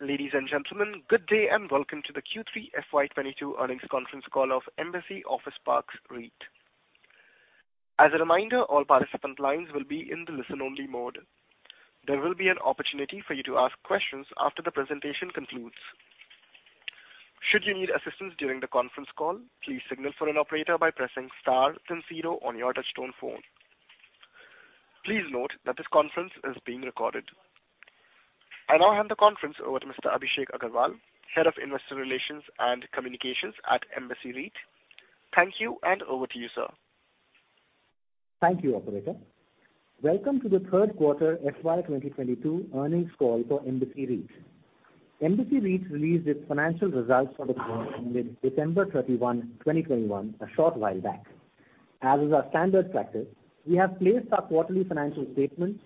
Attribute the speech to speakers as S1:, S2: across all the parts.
S1: Ladies and gentlemen, good day, and welcome to the Q3 FY 2022 earnings conference call of Embassy Office Parks REIT. As a reminder, all participant lines will be in the listen-only mode. There will be an opportunity for you to ask questions after the presentation concludes. Should you need assistance during the conference call, please signal for an operator by pressing star then zero on your touchtone phone. Please note that this conference is being recorded. I now hand the conference over to Mr. Abhishek Agarwal, Head of Investor Relations and Communications at Embassy REIT. Thank you, and over to you, sir.
S2: Thank you, operator. Welcome to the third quarter FY 2022 earnings call for Embassy REIT. Embassy REIT released its financial results for the quarter ended December 31, 2021, a short while back. As is our standard practice, we have placed our quarterly financial statements,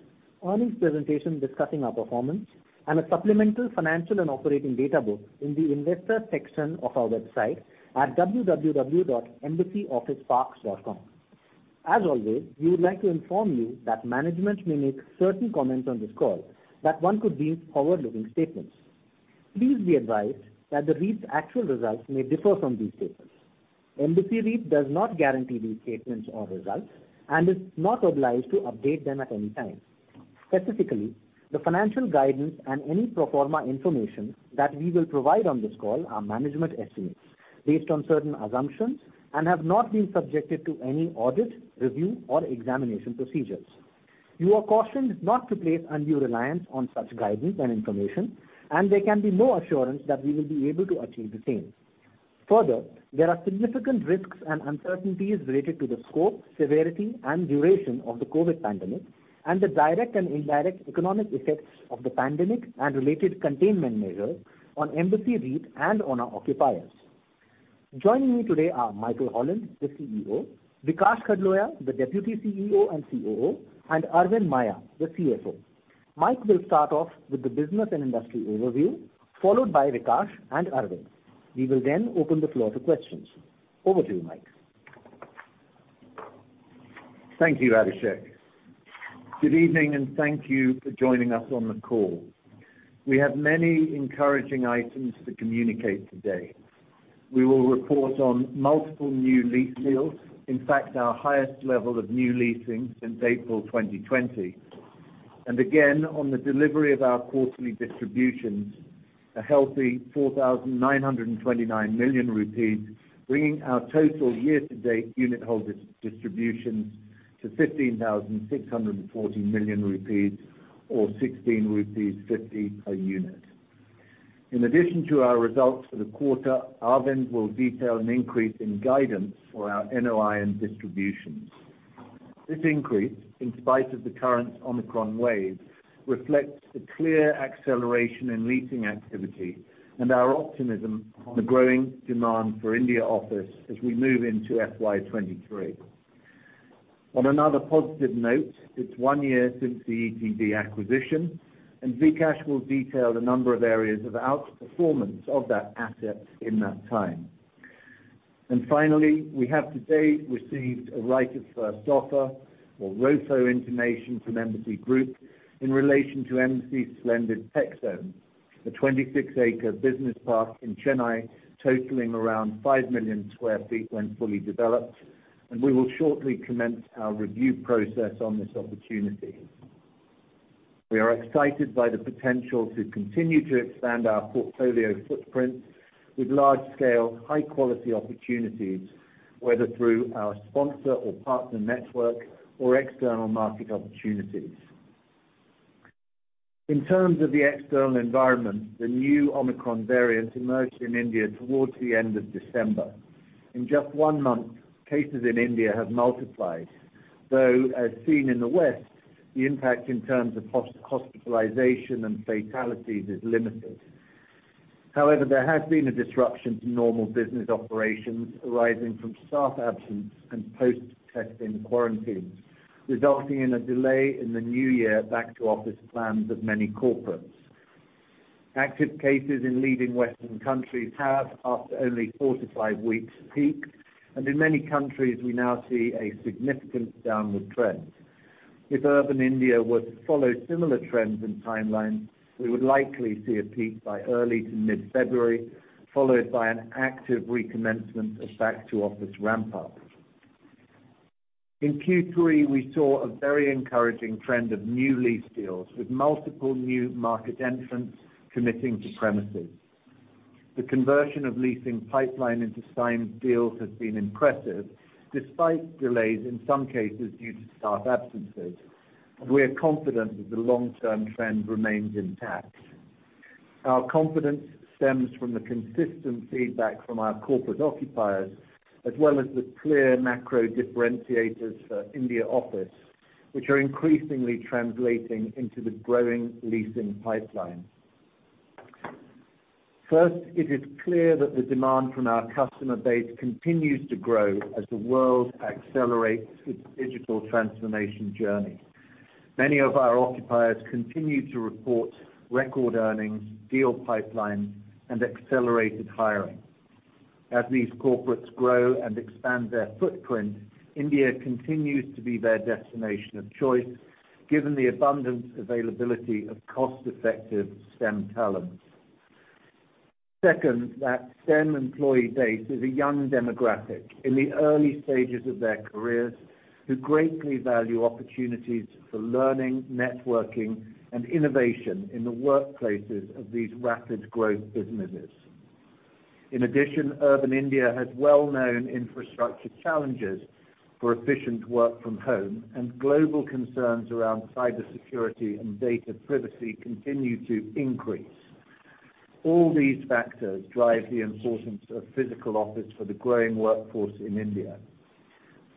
S2: earnings presentation discussing our performance, and a supplemental financial and operating data book in the investor section of our website at www.embassyofficeparks.com. As always, we would like to inform you that management may make certain comments on this call that one could deem forward-looking statements. Please be advised that the REIT's actual results may differ from these statements. Embassy REIT does not guarantee these statements or results and is not obliged to update them at any time.
S3: Specifically, the financial guidance and any pro forma information that we will provide on this call are management estimates based on certain assumptions and have not been subjected to any audit, review, or examination procedures. You are cautioned not to place undue reliance on such guidance and information, and there can be no assurance that we will be able to achieve the same. Further, there are significant risks and uncertainties related to the scope, severity, and duration of the COVID pandemic and the direct and indirect economic effects of the pandemic and related containment measures on Embassy REIT and on our occupiers. Joining me today are Michael Holland, the CEO, Vikaash Khdloya, the Deputy CEO and COO, and Aravind Maiya, the CFO. Mike will start off with the business and industry overview, followed by Vikaash and Aravind. We will then open the floor to questions. Over to you, Mike.
S4: Thank you, Abhishek. Good evening, and thank you for joining us on the call. We have many encouraging items to communicate today. We will report on multiple new lease deals, in fact, our highest level of new leasing since April 2020, and again, on the delivery of our quarterly distributions, a healthy 4,929 million rupees, bringing our total year-to-date unit holder distributions to 15,640 million rupees or 16.50 rupees a unit. In addition to our results for the quarter, Aravind will detail an increase in guidance for our NOI and distributions. This increase, in spite of the current Omicron wave, reflects the clear acceleration in leasing activity and our optimism on the growing demand for India office as we move into FY 2023. On another positive note, it's one year since the ETV acquisition, and Vikaash will detail the number of areas of outperformance of that asset in that time. Finally, we have today received a right of first offer or ROFO intimation from Embassy Group in relation to Embassy Splendid TechZone, a 26 acre business park in Chennai, totaling around 5 million sq ft when fully developed, and we will shortly commence our review process on this opportunity. We are excited by the potential to continue to expand our portfolio footprint with large-scale, high-quality opportunities, whether through our sponsor or partner network or external market opportunities. In terms of the external environment, the new Omicron variant emerged in India towards the end of December. In just one month, cases in India have multiplied, though as seen in the West, the impact in terms of hospitalization and fatalities is limited. However, there has been a disruption to normal business operations arising from staff absence and post-testing quarantine, resulting in a delay in the new year back to office plans of many corporates. Active cases in leading Western countries have, after only four-five weeks, peaked, and in many countries, we now see a significant downward trend. If urban India were to follow similar trends and timelines, we would likely see a peak by early to mid-February, followed by an active recommencement of back to office ramp-up. In Q3, we saw a very encouraging trend of new lease deals with multiple new market entrants committing to premises. The conversion of leasing pipeline into signed deals has been impressive, despite delays in some cases due to staff absences, and we are confident that the long-term trend remains intact. Our confidence stems from the consistent feedback from our corporate occupiers, as well as the clear macro differentiators for India office, which are increasingly translating into the growing leasing pipeline. First, it is clear that the demand from our customer base continues to grow as the world accelerates its digital transformation journey. Many of our occupiers continue to report record earnings, deal pipeline, and accelerated hiring. As these corporates grow and expand their footprint, India continues to be their destination of choice given the abundant availability of cost-effective STEM talent. Second, that STEM employee base is a young demographic in the early stages of their careers who greatly value opportunities for learning, networking, and innovation in the workplaces of these rapid growth businesses. In addition, urban India has well-known infrastructure challenges for efficient work from home, and global concerns around cybersecurity and data privacy continue to increase. All these factors drive the importance of physical office for the growing workforce in India.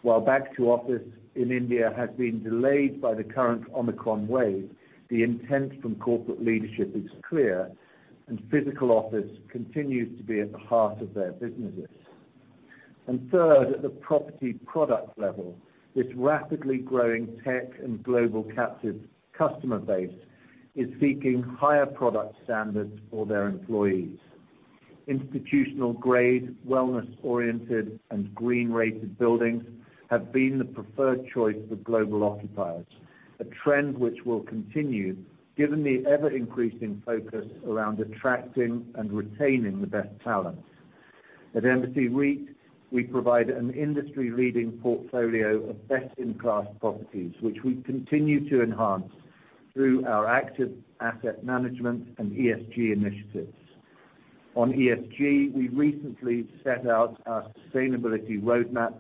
S4: While back to office in India has been delayed by the current Omicron wave, the intent from corporate leadership is clear, and physical office continues to be at the heart of their businesses. Third, at the property product level, this rapidly growing tech and global captive customer base is seeking higher product standards for their employees. Institutional grade, wellness-oriented, and green-rated buildings have been the preferred choice for global occupiers, a trend which will continue given the ever-increasing focus around attracting and retaining the best talent. At Embassy REIT, we provide an industry-leading portfolio of best-in-class properties, which we continue to enhance through our active asset management and ESG initiatives. On ESG, we recently set out our sustainability roadmap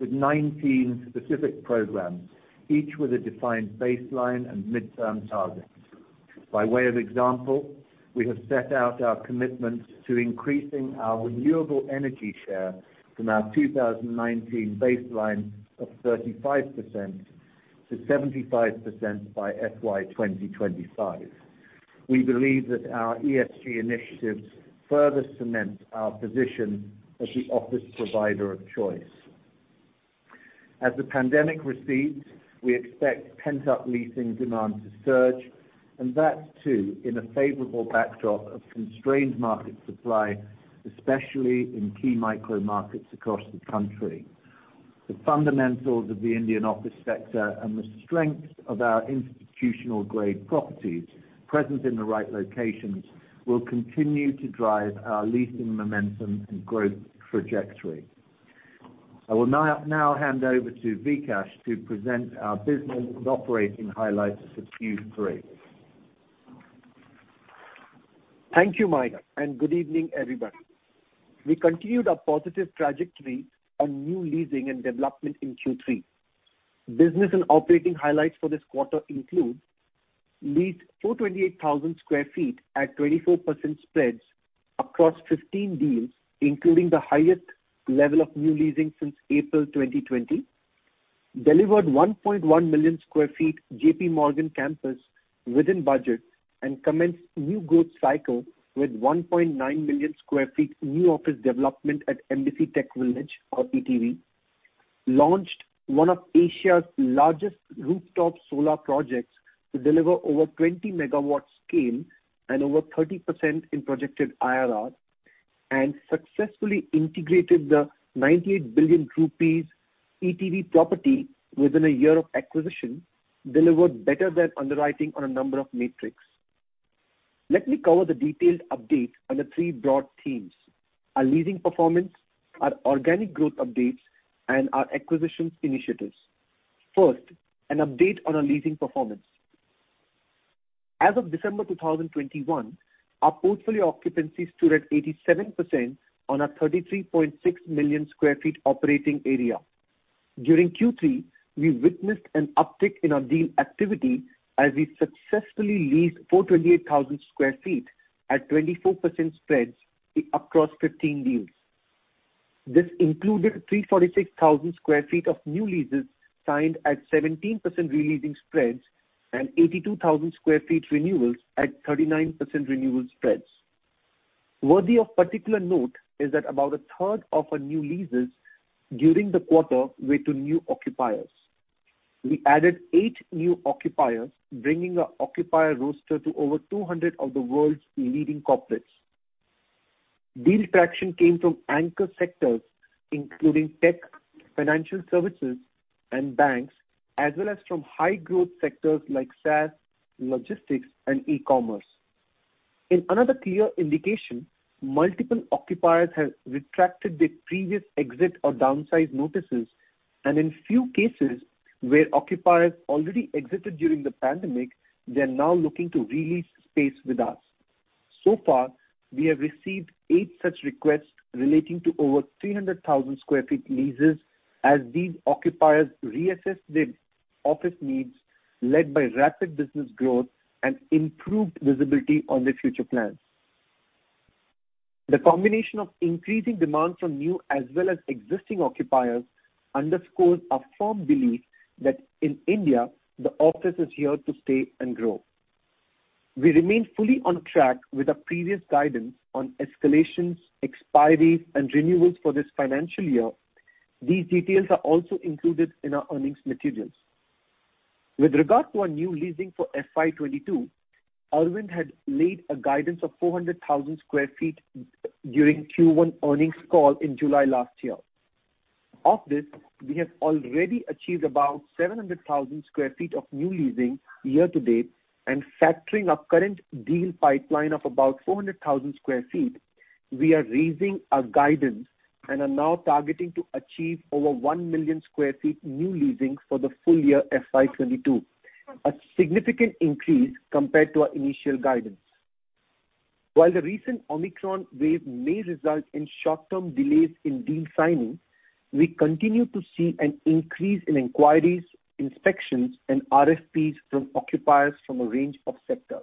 S4: with 19 specific programs, each with a defined baseline and midterm targets. By way of example, we have set out our commitment to increasing our renewable energy share from our 2019 baseline of 35%-75% by FY 2025. We believe that our ESG initiatives further cement our position as the office provider of choice. As the pandemic recedes, we expect pent-up leasing demand to surge, and that too in a favorable backdrop of constrained market supply, especially in key micro markets across the country. The fundamentals of the Indian office sector and the strength of our institutional grade properties present in the right locations will continue to drive our leasing momentum and growth trajectory. I will now hand over to Vikaash to present our business and operating highlights for Q3.
S5: Thank you, Mike, and good evening, everybody. We continued our positive trajectory on new leasing and development in Q3. Business and operating highlights for this quarter include leased 428,000 sq ft at 24% spreads across 15 deals, including the highest level of new leasing since April 2020. Delivered 1.1 million sq ft JPMorgan campus within budget and commenced new growth cycle with 1.9 million sq ft new office development at Embassy TechVillage or ETV. Launched one of Asia's largest rooftop solar projects to deliver over 20 MW scale and over 30% in projected IRR, and successfully integrated the 98 billion rupees ETV property within a year of acquisition, delivered better than underwriting on a number of metrics. Let me cover the detailed update on the three broad themes, our leasing performance, our organic growth updates, and our acquisitions initiatives. First, an update on our leasing performance. As of December 2021, our portfolio occupancy stood at 87% on a 33.6 million sq ft operating area. During Q3, we witnessed an uptick in our deal activity as we successfully leased 428,000 sq ft at 24% spreads across 15 deals. This included 346,000 sq ft of new leases signed at 17% re-leasing spreads and 82,000 sq ft renewals at 39% renewal spreads. Worthy of particular note is that about 1/3 of our new leases during the quarter were to new occupiers. We added eight new occupiers, bringing our occupier roster to over 200 of the world's leading corporates. Deal traction came from anchor sectors, including tech, financial services, and banks, as well as from high growth sectors like SaaS, logistics, and e-commerce. In another clear indication, multiple occupiers have retracted their previous exit or downsize notices, and in few cases where occupiers already exited during the pandemic, they are now looking to re-lease space with us. So far, we have received eight such requests relating to over 300,000 sq ft leases as these occupiers reassess their office needs, led by rapid business growth and improved visibility on their future plans. The combination of increasing demand from new as well as existing occupiers underscores our firm belief that in India, the office is here to stay and grow. We remain fully on track with our previous guidance on escalations, expiries, and renewals for this financial year. These details are also included in our earnings materials. With regard to our new leasing for FY 2022, Aravind had laid a guidance of 400,000 sq ft during Q1 earnings call in July last year. Of this, we have already achieved about 700,000 sq ft of new leasing year-to-date. Factoring our current deal pipeline of about 400,000 sq ft, we are raising our guidance and are now targeting to achieve over 1 million sq ft new leasing for the full year FY 2022, a significant increase compared to our initial guidance. While the recent Omicron wave may result in short-term delays in deal signings, we continue to see an increase in inquiries, inspections, and RFPs from occupiers from a range of sectors.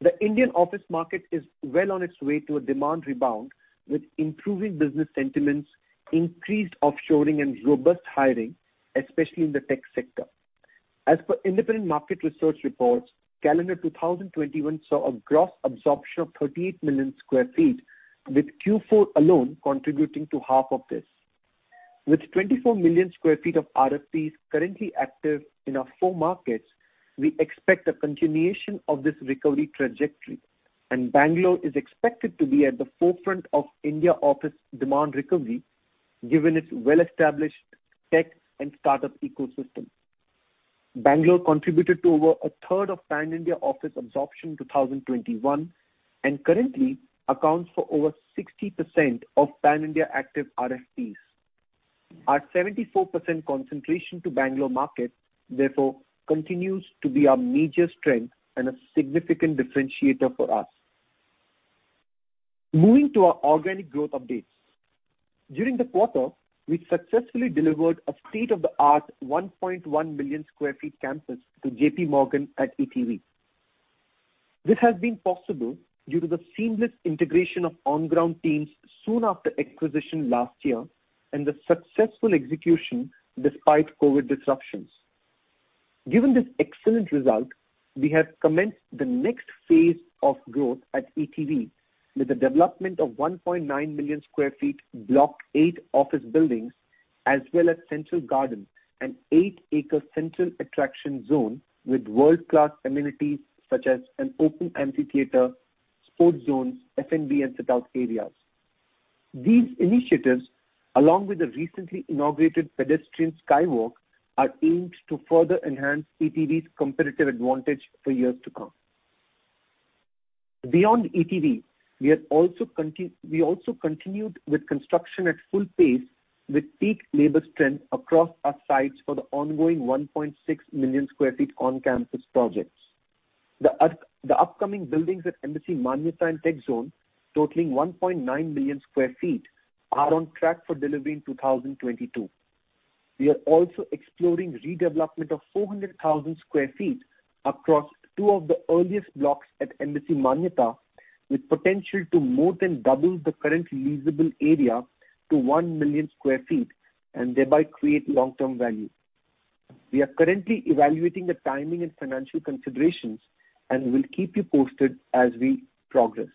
S5: The Indian office market is well on its way to a demand rebound with improving business sentiments, increased offshoring, and robust hiring, especially in the tech sector. As per independent market research reports, calendar 2021 saw a gross absorption of 38 million sq ft, with Q4 alone contributing to half of this. With 24 million sq ft of RFPs currently active in our four markets, we expect a continuation of this recovery trajectory, and Bangalore is expected to be at the forefront of India office demand recovery given its well-established tech and startup ecosystem. Bangalore contributed to over 1/3 of pan-India office absorption in 2021 and currently accounts for over 60% of pan-India active RFPs. Our 74% concentration to Bangalore market therefore continues to be our major strength and a significant differentiator for us. Moving to our organic growth updates. During the quarter, we successfully delivered a state-of-the-art 1.1 million sq ft campus to JPMorgan at ETV. This has been possible due to the seamless integration of on-ground teams soon after acquisition last year and the successful execution despite COVID disruptions. Given this excellent result, we have commenced the next phase of growth at ETV with the development of 1.9 million sq ft Block 8 office buildings, as well as Central Garden, an 8 acre central attraction zone with world-class amenities such as an open amphitheater, sports zones, F&B and sit-out areas. These initiatives, along with the recently inaugurated pedestrian skywalk, are aimed to further enhance ETV's competitive advantage for years to come. Beyond ETV, we also continued with construction at full pace with peak labor strength across our sites for the ongoing 1.6 million sq ft on-campus projects. The upcoming buildings at Embassy Manyata and TechZone, totaling 1.9 million sq ft, are on track for delivery in 2022. We are also exploring redevelopment of 400,000 sq ft across two of the earliest blocks at Embassy Manyata, with potential to more than double the current leasable area to 1 million sq ft and thereby create long-term value. We are currently evaluating the timing and financial considerations, and we'll keep you posted as we progress.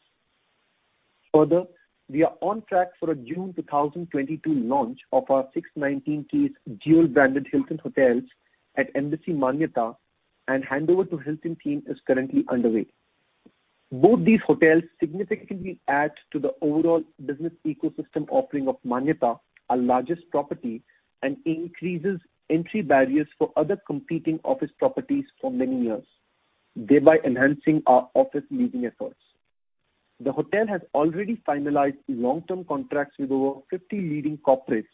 S5: Further, we are on track for a June 2022 launch of our 619-keys dual-branded Hilton hotels at Embassy Manyata, and handover to Hilton team is currently underway. Both these hotels significantly add to the overall business ecosystem offering of Manyata, our largest property, and increases entry barriers for other competing office properties for many years, thereby enhancing our office leasing efforts. The hotel has already finalized long-term contracts with over 50 leading corporates,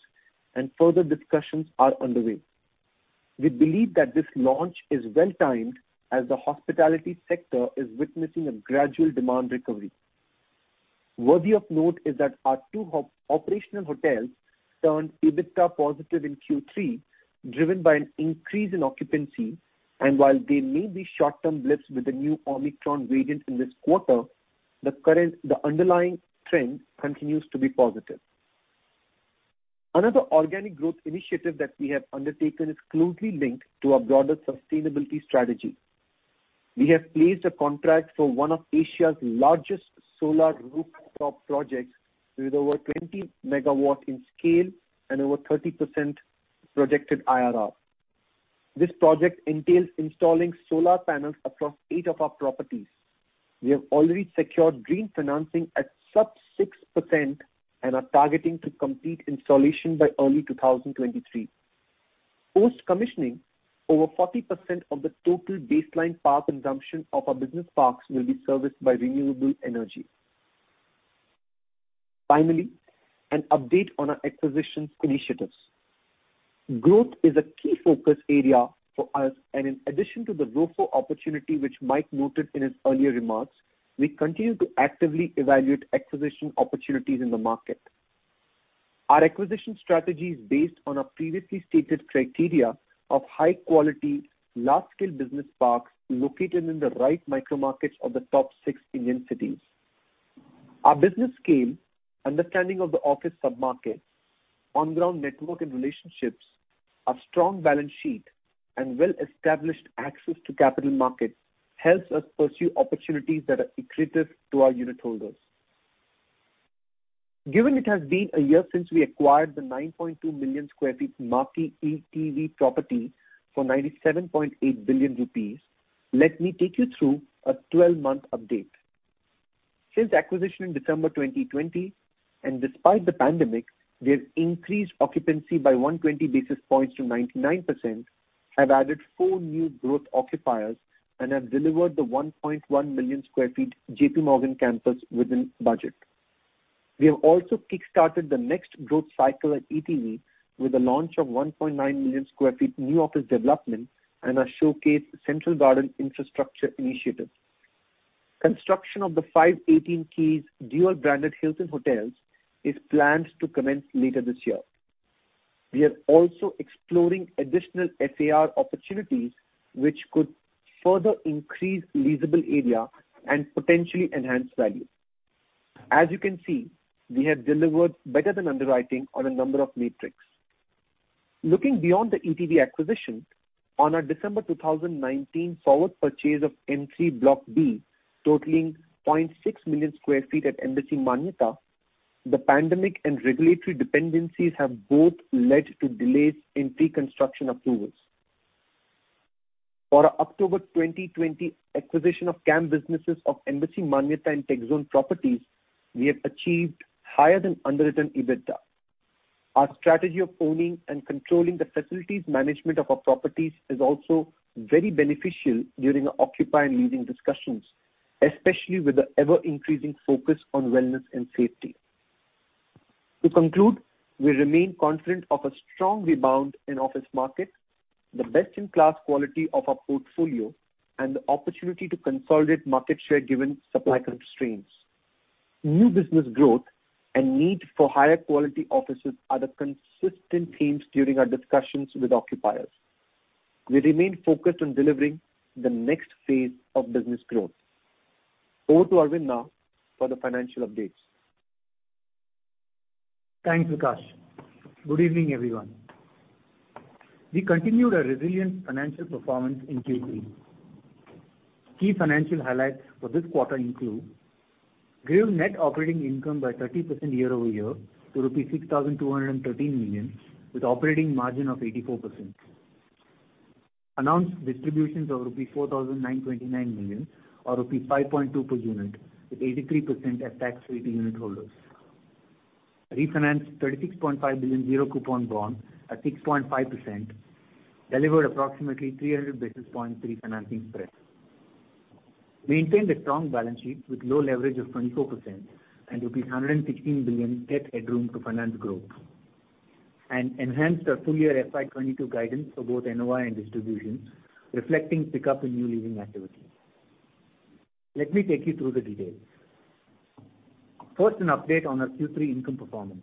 S5: and further discussions are underway. We believe that this launch is well timed as the hospitality sector is witnessing a gradual demand recovery. Worthy of note is that our two operational hotels turned EBITDA positive in Q3, driven by an increase in occupancy. While there may be short-term blips with the new Omicron variant in this quarter, the underlying trend continues to be positive. Another organic growth initiative that we have undertaken is closely linked to our broader sustainability strategy. We have placed a contract for one of Asia's largest solar rooftop projects with over 20 MW in scale and over 30% projected IRR. This project entails installing solar panels across eight of our properties. We have already secured green financing at sub-6% and are targeting to complete installation by early 2023. Post-commissioning, over 40% of the total baseline power consumption of our business parks will be serviced by renewable energy. Finally, an update on our acquisition initiatives. Growth is a key focus area for us, and in addition to the ROFO opportunity which Mike noted in his earlier remarks, we continue to actively evaluate acquisition opportunities in the market. Our acquisition strategy is based on our previously stated criteria of high quality, large-scale business parks located in the right micro markets of the top six Indian cities. Our business scale, understanding of the office submarkets, on-ground network and relationships, our strong balance sheet, and well-established access to capital markets helps us pursue opportunities that are accretive to our unitholders. Given it has been a year since we acquired the 9.2 million sq ft marquee ETV property for 97.8 billion rupees, let me take you through a 12-month update. Since acquisition in December 2020, and despite the pandemic, we have increased occupancy by 120 basis points to 99%, have added four new growth occupiers, and have delivered the 1.1 million sq ft JPMorgan campus within budget. We have also kick-started the next growth cycle at ETV with the launch of 1.9 million sq ft new office development and our showcase Central Garden infrastructure initiative. Construction of the 518-keys dual-branded Hilton Hotels is planned to commence later this year. We are also exploring additional FAR opportunities which could further increase leasable area and potentially enhance value. As you can see, we have delivered better than underwriting on a number of metrics. Looking beyond the ETV acquisition, on our December 2019 forward purchase of M3 Block B, totaling 0.6 million sq ft at Embassy Manyata, the pandemic and regulatory dependencies have both led to delays in preconstruction approvals. For our October 2020 acquisition of CAM businesses of Embassy Manyata and TechZone properties, we have achieved higher than underwritten EBITDA. Our strategy of owning and controlling the facilities management of our properties is also very beneficial during our occupier and leasing discussions, especially with the ever-increasing focus on wellness and safety. To conclude, we remain confident of a strong rebound in office market, the best-in-class quality of our portfolio, and the opportunity to consolidate market share given supply constraints. New business growth and need for higher quality offices are the consistent themes during our discussions with occupiers. We remain focused on delivering the next phase of business growth. Over to Aravind now for the financial updates.
S3: Thanks, Vikaash. Good evening, everyone. We continued our resilient financial performance in Q3. Key financial highlights for this quarter include grew net operating income by 30% year-over-year to rupees 6,213 million, with operating margin of 84%. Announced distributions of rupees 4,929 million or rupees 5.2 per unit, with 83% as tax-free to unitholders. Refinanced 36.5 billion zero-coupon bond at 6.5%, delivered approximately 300 basis point pre-financing spread. Maintained a strong balance sheet with low leverage of 24% and rupees 116 billion debt headroom to finance growth. Enhanced our full year FY 2022 guidance for both NOI and distribution, reflecting pickup in new leasing activity. Let me take you through the details. First, an update on our Q3 income performance.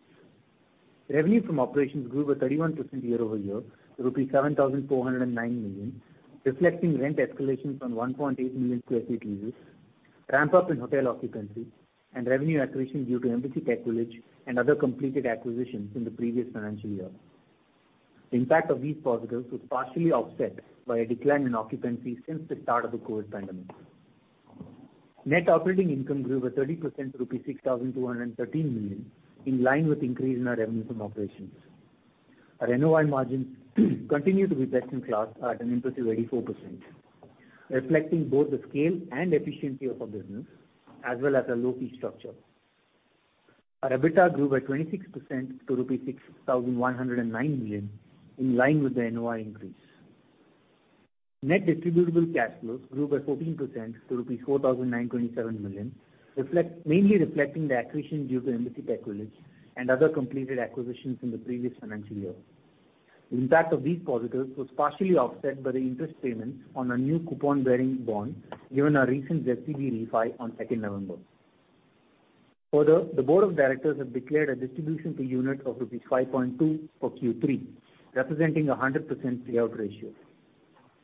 S3: Revenue from operations grew by 31% year-over-year to rupees 7,409 million, reflecting rent escalation from 1.8 million sq ft leases, ramp up in hotel occupancy, and revenue accretion due to Embassy TechVillage and other completed acquisitions in the previous financial year. The impact of these positives was partially offset by a decline in occupancy since the start of the COVID pandemic. Net operating income grew by 30% to rupees 6,213 million, in line with increase in our revenues from operations. Our NOI margin continued to be best-in-class at an impressive 84%, reflecting both the scale and efficiency of our business as well as our low fee structure. Our EBITDA grew by 26% to 6,109 million rupees, in line with the NOI increase. Net distributable cash flows grew by 14% to rupees 4,927 million, mainly reflecting the accretion due to Embassy TechVillage and other completed acquisitions in the previous financial year. The impact of these positives was partially offset by the interest payments on our new coupon-bearing bond, given our recent ZCB refi on 2nd November. Further, the board of directors have declared a distribution per unit of rupees 5.2 for Q3, representing a 100% payout ratio.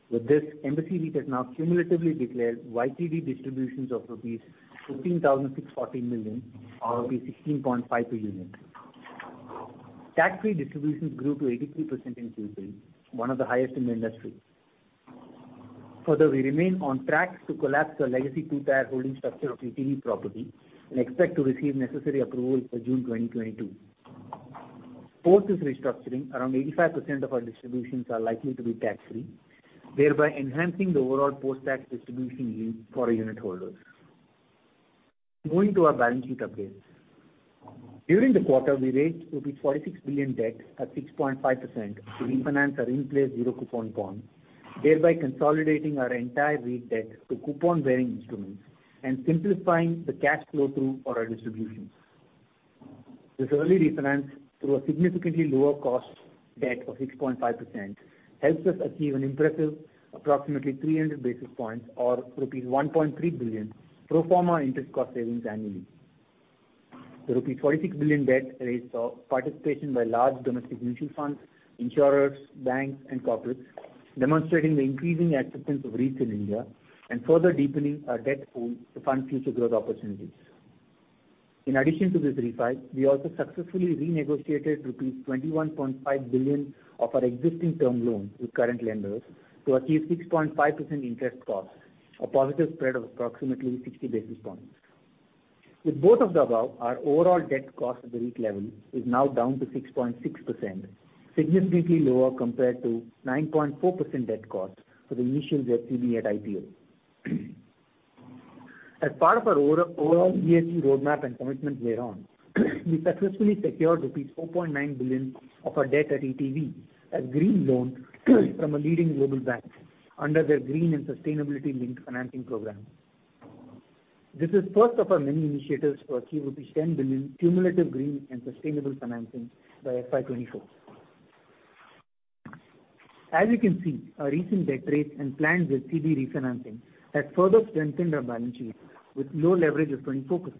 S3: With this, Embassy REIT has now cumulatively declared YTD distributions of rupees 15,614 million or rupees 16.5 per unit. Tax-free distributions grew to 83% in Q3, one of the highest in the industry. Further, we remain on track to collapse our legacy two-tier holding structure of ETV property and expect to receive necessary approval by June 2022. Post this restructuring, around 85% of our distributions are likely to be tax-free, thereby enhancing the overall post-tax distribution yield for our unitholders. Moving to our balance sheet updates. During the quarter, we raised 46 billion debt at 6.5% to refinance our in-place zero-coupon bond, thereby consolidating our entire REIT debt to coupon-bearing instruments and simplifying the cash flow through for our distributions. This early refinance through a significantly lower cost debt of 6.5% helps us achieve an impressive approximately 300 basis points or rupees 1.3 billion pro forma interest cost savings annually. The rupees 46 billion debt raised saw participation by large domestic mutual funds, insurers, banks, and corporates, demonstrating the increasing acceptance of REITs in India and further deepening our debt pool to fund future growth opportunities. In addition to this refi, we also successfully renegotiated rupees 21.5 billion of our existing term loan with current lenders to achieve 6.5% interest cost, a positive spread of approximately 60 basis points. With both of the above, our overall debt cost of the rate level is now down to 6.6%, significantly lower compared to 9.4% debt cost for the initial ZCB at IPO. As part of our overall ESG roadmap and commitment thereon, we successfully secured rupees 4.9 billion of our debt at ETV, a green loan from a leading global bank under their green and sustainability linked financing program. This is first of our many initiatives to achieve rupees 10 billion cumulative green and sustainable financing by FY 2024. As you can see, our recent debt rates and planned ZCB refinancing has further strengthened our balance sheet with low leverage of 24%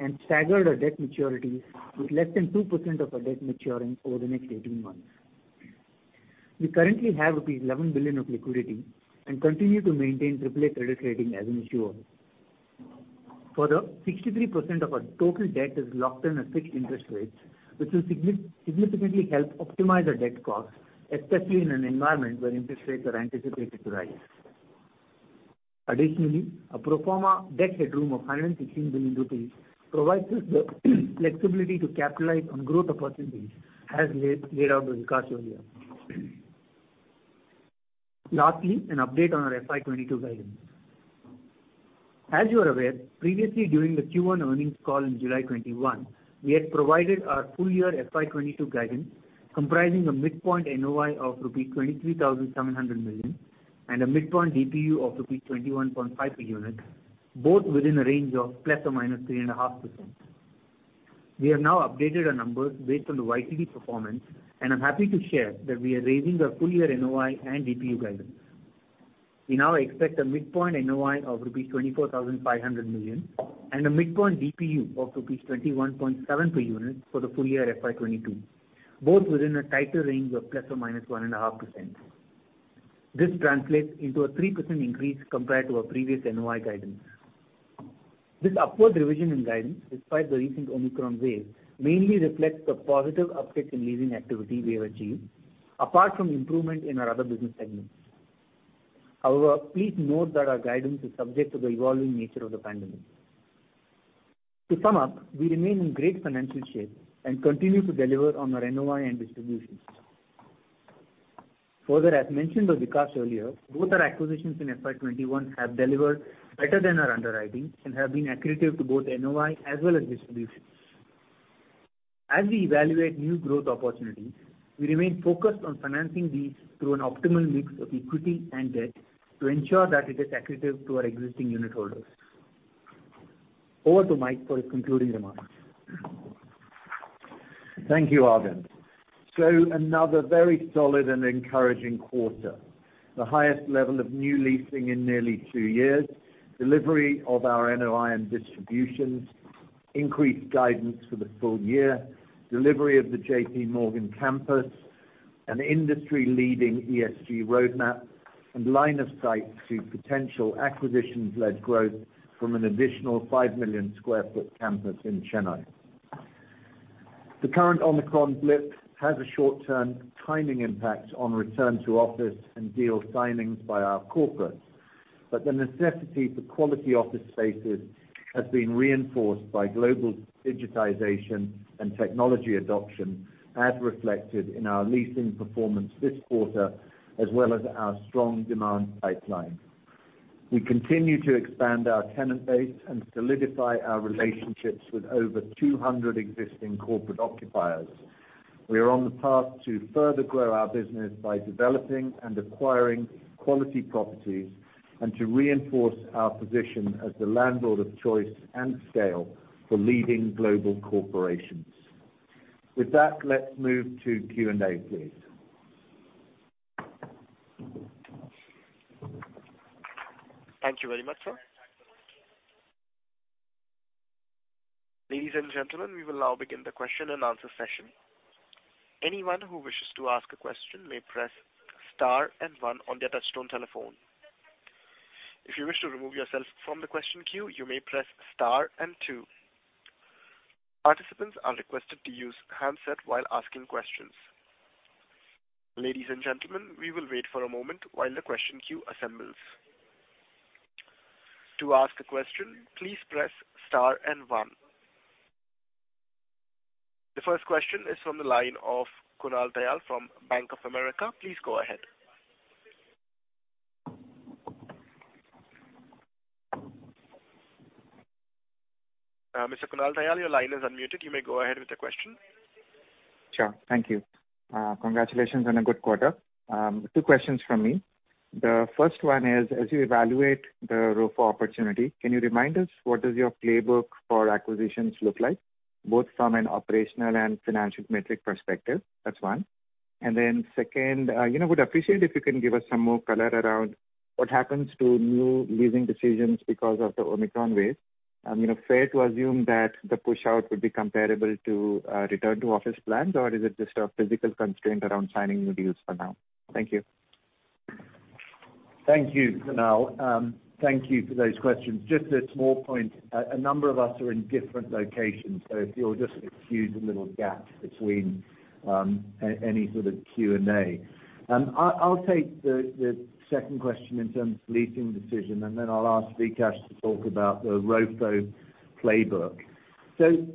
S3: and staggered our debt maturities with less than 2% of our debt maturing over the next 18 months. We currently have rupees 11 billion of liquidity and continue to maintain AAA credit rating as an issuer. Further, 63% of our total debt is locked in a fixed interest rate, which will significantly help optimize our debt cost, especially in an environment where interest rates are anticipated to rise. Additionally, a pro forma debt headroom of 116 billion rupees provides us the flexibility to capitalize on growth opportunities as laid out by Vikaash earlier. Lastly, an update on our FY 2022 guidance. As you are aware, previously during the Q1 earnings call in July 2021, we had provided our full year FY 2022 guidance, comprising a midpoint NOI of rupees 23,700 million and a midpoint DPU of 21.5 per unit, both within a range of ±3.5%. We have now updated our numbers based on the YTD performance, and I'm happy to share that we are raising our full year NOI and DPU guidance. We now expect a midpoint NOI of 24,500 million rupees and a midpoint DPU of 21.7 rupees per unit for the full year FY 2022, both within a tighter range of ±1.5%. This translates into a 3% increase compared to our previous NOI guidance. This upward revision in guidance, despite the recent Omicron wave, mainly reflects the positive uptick in leasing activity we have achieved, apart from improvement in our other business segments. However, please note that our guidance is subject to the evolving nature of the pandemic. To sum up, we remain in great financial shape and continue to deliver on our NOI and distributions. Further, as mentioned by Vikaash earlier, both our acquisitions in FY 2021 have delivered better than our underwriting and have been accretive to both NOI as well as distributions. As we evaluate new growth opportunities, we remain focused on financing these through an optimal mix of equity and debt to ensure that it is accretive to our existing unit holders. Over to Mike for his concluding remarks.
S4: Thank you, Aravind. Another very solid and encouraging quarter. The highest level of new leasing in nearly two years, delivery of our NOI and distributions, increased guidance for the full year, delivery of the JPMorgan campus, an industry-leading ESG roadmap, and line of sight to potential acquisitions-led growth from an additional 5 million sq ft campus in Chennai. The current Omicron blip has a short-term timing impact on return to office and deal signings by our corporates, but the necessity for quality office spaces has been reinforced by global digitization and technology adoption, as reflected in our leasing performance this quarter, as well as our strong demand pipeline. We continue to expand our tenant base and solidify our relationships with over 200 existing corporate occupiers. We are on the path to further grow our business by developing and acquiring quality properties and to reinforce our position as the landlord of choice and scale for leading global corporations. With that, let's move to Q&A, please.
S1: Thank you very much, sir. Ladies and gentlemen, we will now begin the question and answer session. Anyone who wishes to ask a question may press star and one on their touch-tone telephone. If you wish to remove yourself from the question queue, you may press star and two. Participants are requested to use handset while asking questions. Ladies and gentlemen, we will wait for a moment while the question queue assembles. To ask a question, please press star and one. The first question is from the line of Kunal Tayal from Bank of America. Please go ahead. Mr. Kunal Tayal, your line is unmuted. You may go ahead with your question.
S6: Sure. Thank you. Congratulations on a good quarter. Two questions from me. The first one is, as you evaluate the ROFO opportunity, can you remind us what does your playbook for acquisitions look like, both from an operational and financial metric perspective? That's one. Second, you know, would appreciate if you can give us some more color around what happens to new leasing decisions because of the Omicron wave. You know, fair to assume that the push out would be comparable to return to office plans, or is it just a physical constraint around signing new deals for now? Thank you.
S4: Thank you, Kunal. Thank you for those questions. Just a small point. A number of us are in different locations, so if you'll just excuse a little gap between any sort of Q&A. I'll take the second question in terms of leasing decision, and then I'll ask Vikaash to talk about the ROFO playbook. Kunal,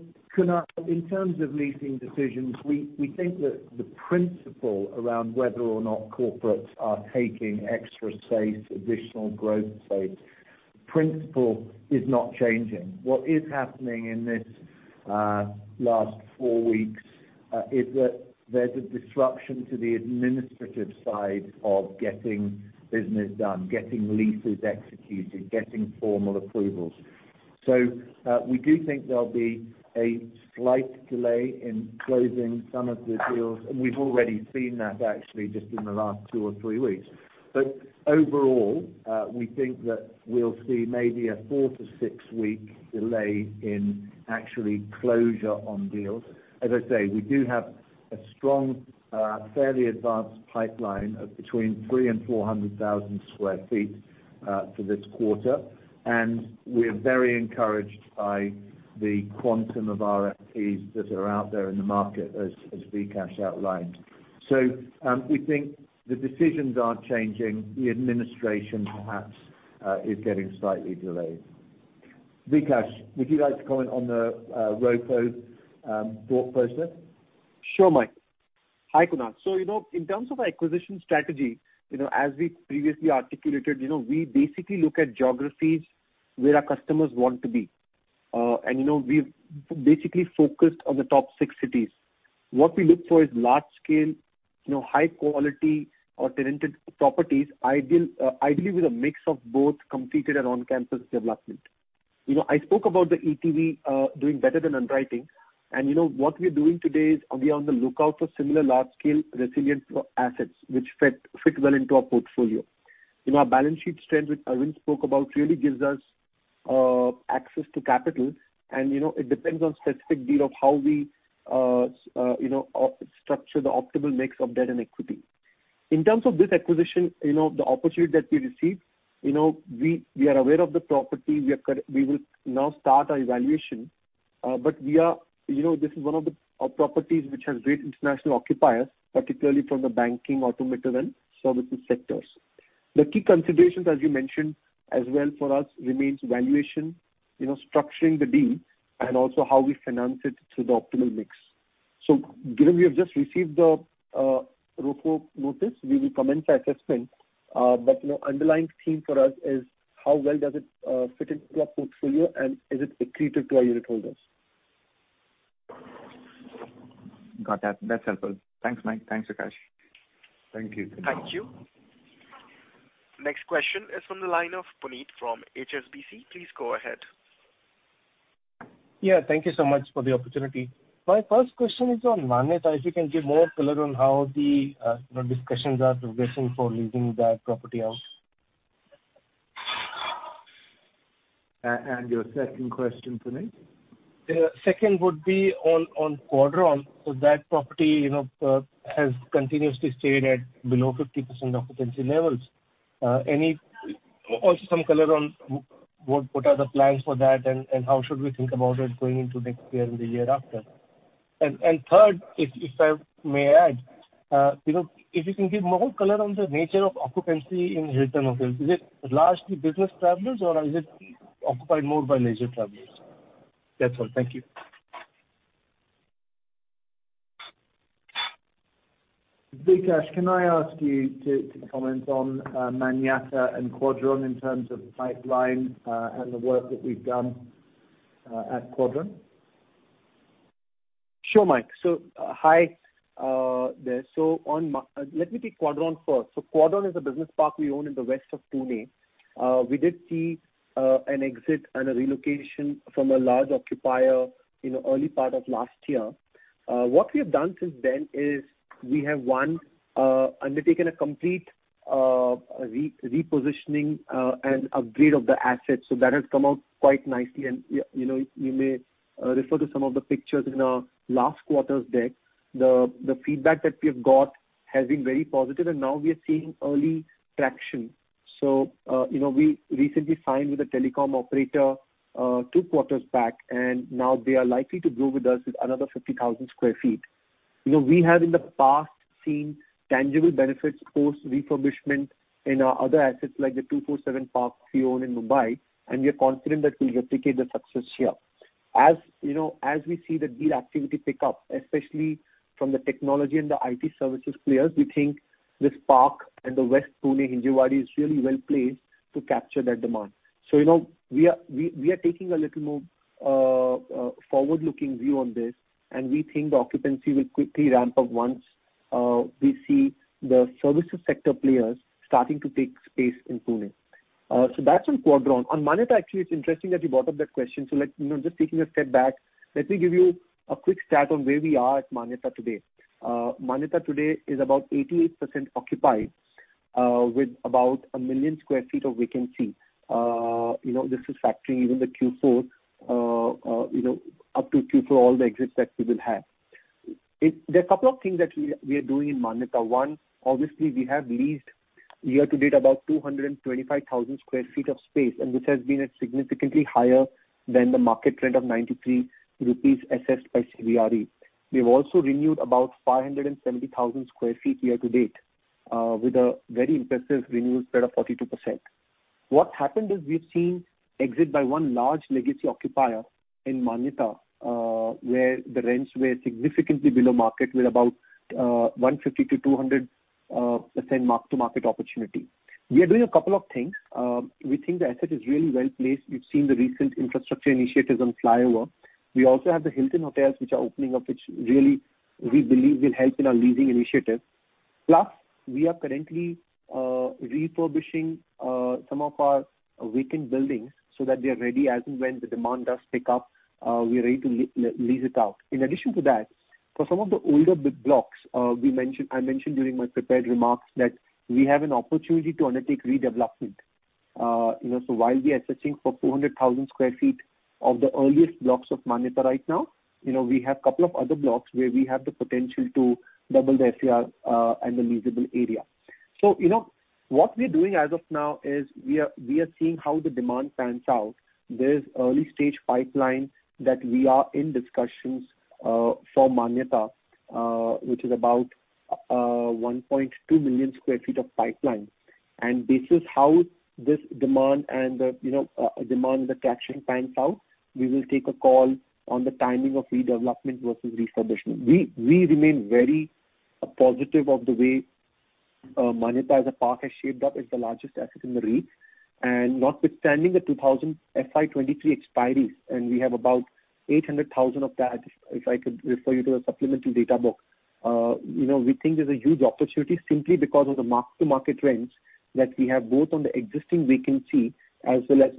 S4: in terms of leasing decisions, we think that the principle around whether or not corporates are taking extra space, additional growth space, principle is not changing. What is happening in this last four weeks is that there's a disruption to the administrative side of getting business done, getting leases executed, getting formal approvals. We do think there'll be a slight delay in closing some of the deals, and we've already seen that actually just in the last two or three weeks. Overall, we think that we'll see maybe a four-six week delay in actual closure on deals. As I say, we do have a strong, fairly advanced pipeline of between 300,000 and 400,000 sq ft for this quarter. We're very encouraged by the quantum of RFPs that are out there in the market as Vikaash outlined. We think the decisions aren't changing, the administration perhaps is getting slightly delayed. Vikaash, would you like to comment on the ROFO thought process?
S5: Sure, Mike. Hi, Kunal. You know, in terms of acquisition strategy, you know, as we previously articulated, you know, we basically look at geographies where our customers want to be. You know, we've basically focused on the top six cities. What we look for is large scale, you know, high quality alternative properties, ideally with a mix of both completed and on-campus development. You know, I spoke about the ETV doing better than underwriting. You know, what we're doing today is we are on the lookout for similar large scale resilient property assets which fit well into our portfolio. You know, our balance sheet strength, which Aravind spoke about, really gives us access to capital. You know, it depends on the specific deal of how we structure the optimal mix of debt and equity. In terms of this acquisition, the opportunity that we received, we are aware of the property. We will now start our evaluation. This is one of our properties which has great international occupiers, particularly from the banking, automotive, and services sectors. The key considerations, as you mentioned as well for us, remains valuation, structuring the deal, and also how we finance it to the optimal mix. Given we have just received the ROFO notice, we will commence our assessment. Underlying theme for us is how well does it fit into our portfolio and is it accretive to our unit holders.
S6: Got that. That's helpful. Thanks, Mike. Thanks, Vikaash.
S4: Thank you.
S5: Thank you.
S1: Next question is from the line of Puneet from HSBC. Please go ahead.
S7: Yeah. Thank you so much for the opportunity. My first question is on Manyata. If you can give more color on how the, you know, discussions are progressing for leasing that property out?
S4: Your second question, Puneet?
S7: Second would be on Quadron. So that property, you know, has continuously stayed at below 50% occupancy levels. Also some color on what are the plans for that and how should we think about it going into next year and the year after? Third, if I may add, you know, if you can give more color on the nature of occupancy in Hilton Hotel. Is it largely business travelers, or is it occupied more by leisure travelers? That's all. Thank you.
S4: Vikaash, can I ask you to comment on Manyata and Quadron in terms of pipeline, and the work that we've done at Quadron?
S5: Sure, Mike. Hi, there. Let me take Quadron first. Quadron is a business park we own in the west of Pune. We did see an exit and a relocation from a large occupier in the early part of last year. What we have done since then is we have, one, undertaken a complete repositioning and upgrade of the assets. That has come out quite nicely. You know, you may refer to some of the pictures in our last quarter's deck. The feedback that we have got has been very positive, and now we are seeing early traction. You know, we recently signed with a telecom operator two quarters back, and now they are likely to grow with us with another 50,000 sq ft. You know, we have in the past seen tangible benefits post refurbishment in our other assets like the 247 Park we own in Mumbai, and we are confident that we'll replicate the success here. As you know, as we see the deal activity pick up, especially from the technology and the IT services players, we think this park and the West Pune Hinjewadi is really well placed to capture that demand. You know, we are taking a little more forward-looking view on this, and we think the occupancy will quickly ramp up once we see the services sector players starting to take space in Pune. That's on Quadron. On Manyata, actually, it's interesting that you brought up that question. Let me give you a quick stat on where we are at Manyata today, you know, just taking a step back. Manyata today is about 88% occupied, with about a million square feet of vacancy. You know, this is factoring in the Q4, you know, up to Q4, all the exits that we will have. There are a couple of things that we are doing in Manyata. One, obviously we have leased year to date about 225,000 sq ft of space, and this has been at significantly higher than the market rent of 93 rupees assessed by CBRE. We've also renewed about 570,000 sq ft year to date with a very impressive renewal spread of 42%. What happened is we've seen exit by one large legacy occupier in Manyata where the rents were significantly below market with about 150%-200% mark-to-market opportunity. We are doing a couple of things. We think the asset is really well-placed. We've seen the recent infrastructure initiatives on flyover. We also have the Hilton Hotels which are opening up, which really we believe will help in our leasing initiative. Plus, we are currently refurbishing some of our vacant buildings so that they are ready as and when the demand does pick up, we are ready to lease it out. In addition to that, for some of the older big blocks, I mentioned during my prepared remarks that we have an opportunity to undertake redevelopment. You know, while we are assessing for 400,000 sq ft of the earliest blocks of Manyata right now, you know, we have couple of other blocks where we have the potential to double the FAR and the leasable area. You know, what we're doing as of now is we are seeing how the demand pans out. There's early stage pipeline that we are in discussions for Manyata, which is about 1.2 million sq ft of pipeline. Based on how this demand and the demand in the catchment pans out, we will take a call on the timing of redevelopment versus refurbishment. We remain very positive of the way Manyata as a park has shaped up. It's the largest asset in the REIT. Notwithstanding the 2,000 FY 2023 expiries, and we have about 800,000 of that, if I could refer you to the supplementary data book, we think there's a huge opportunity simply because of the mark-to-market rents that we have both on the existing vacancy as well as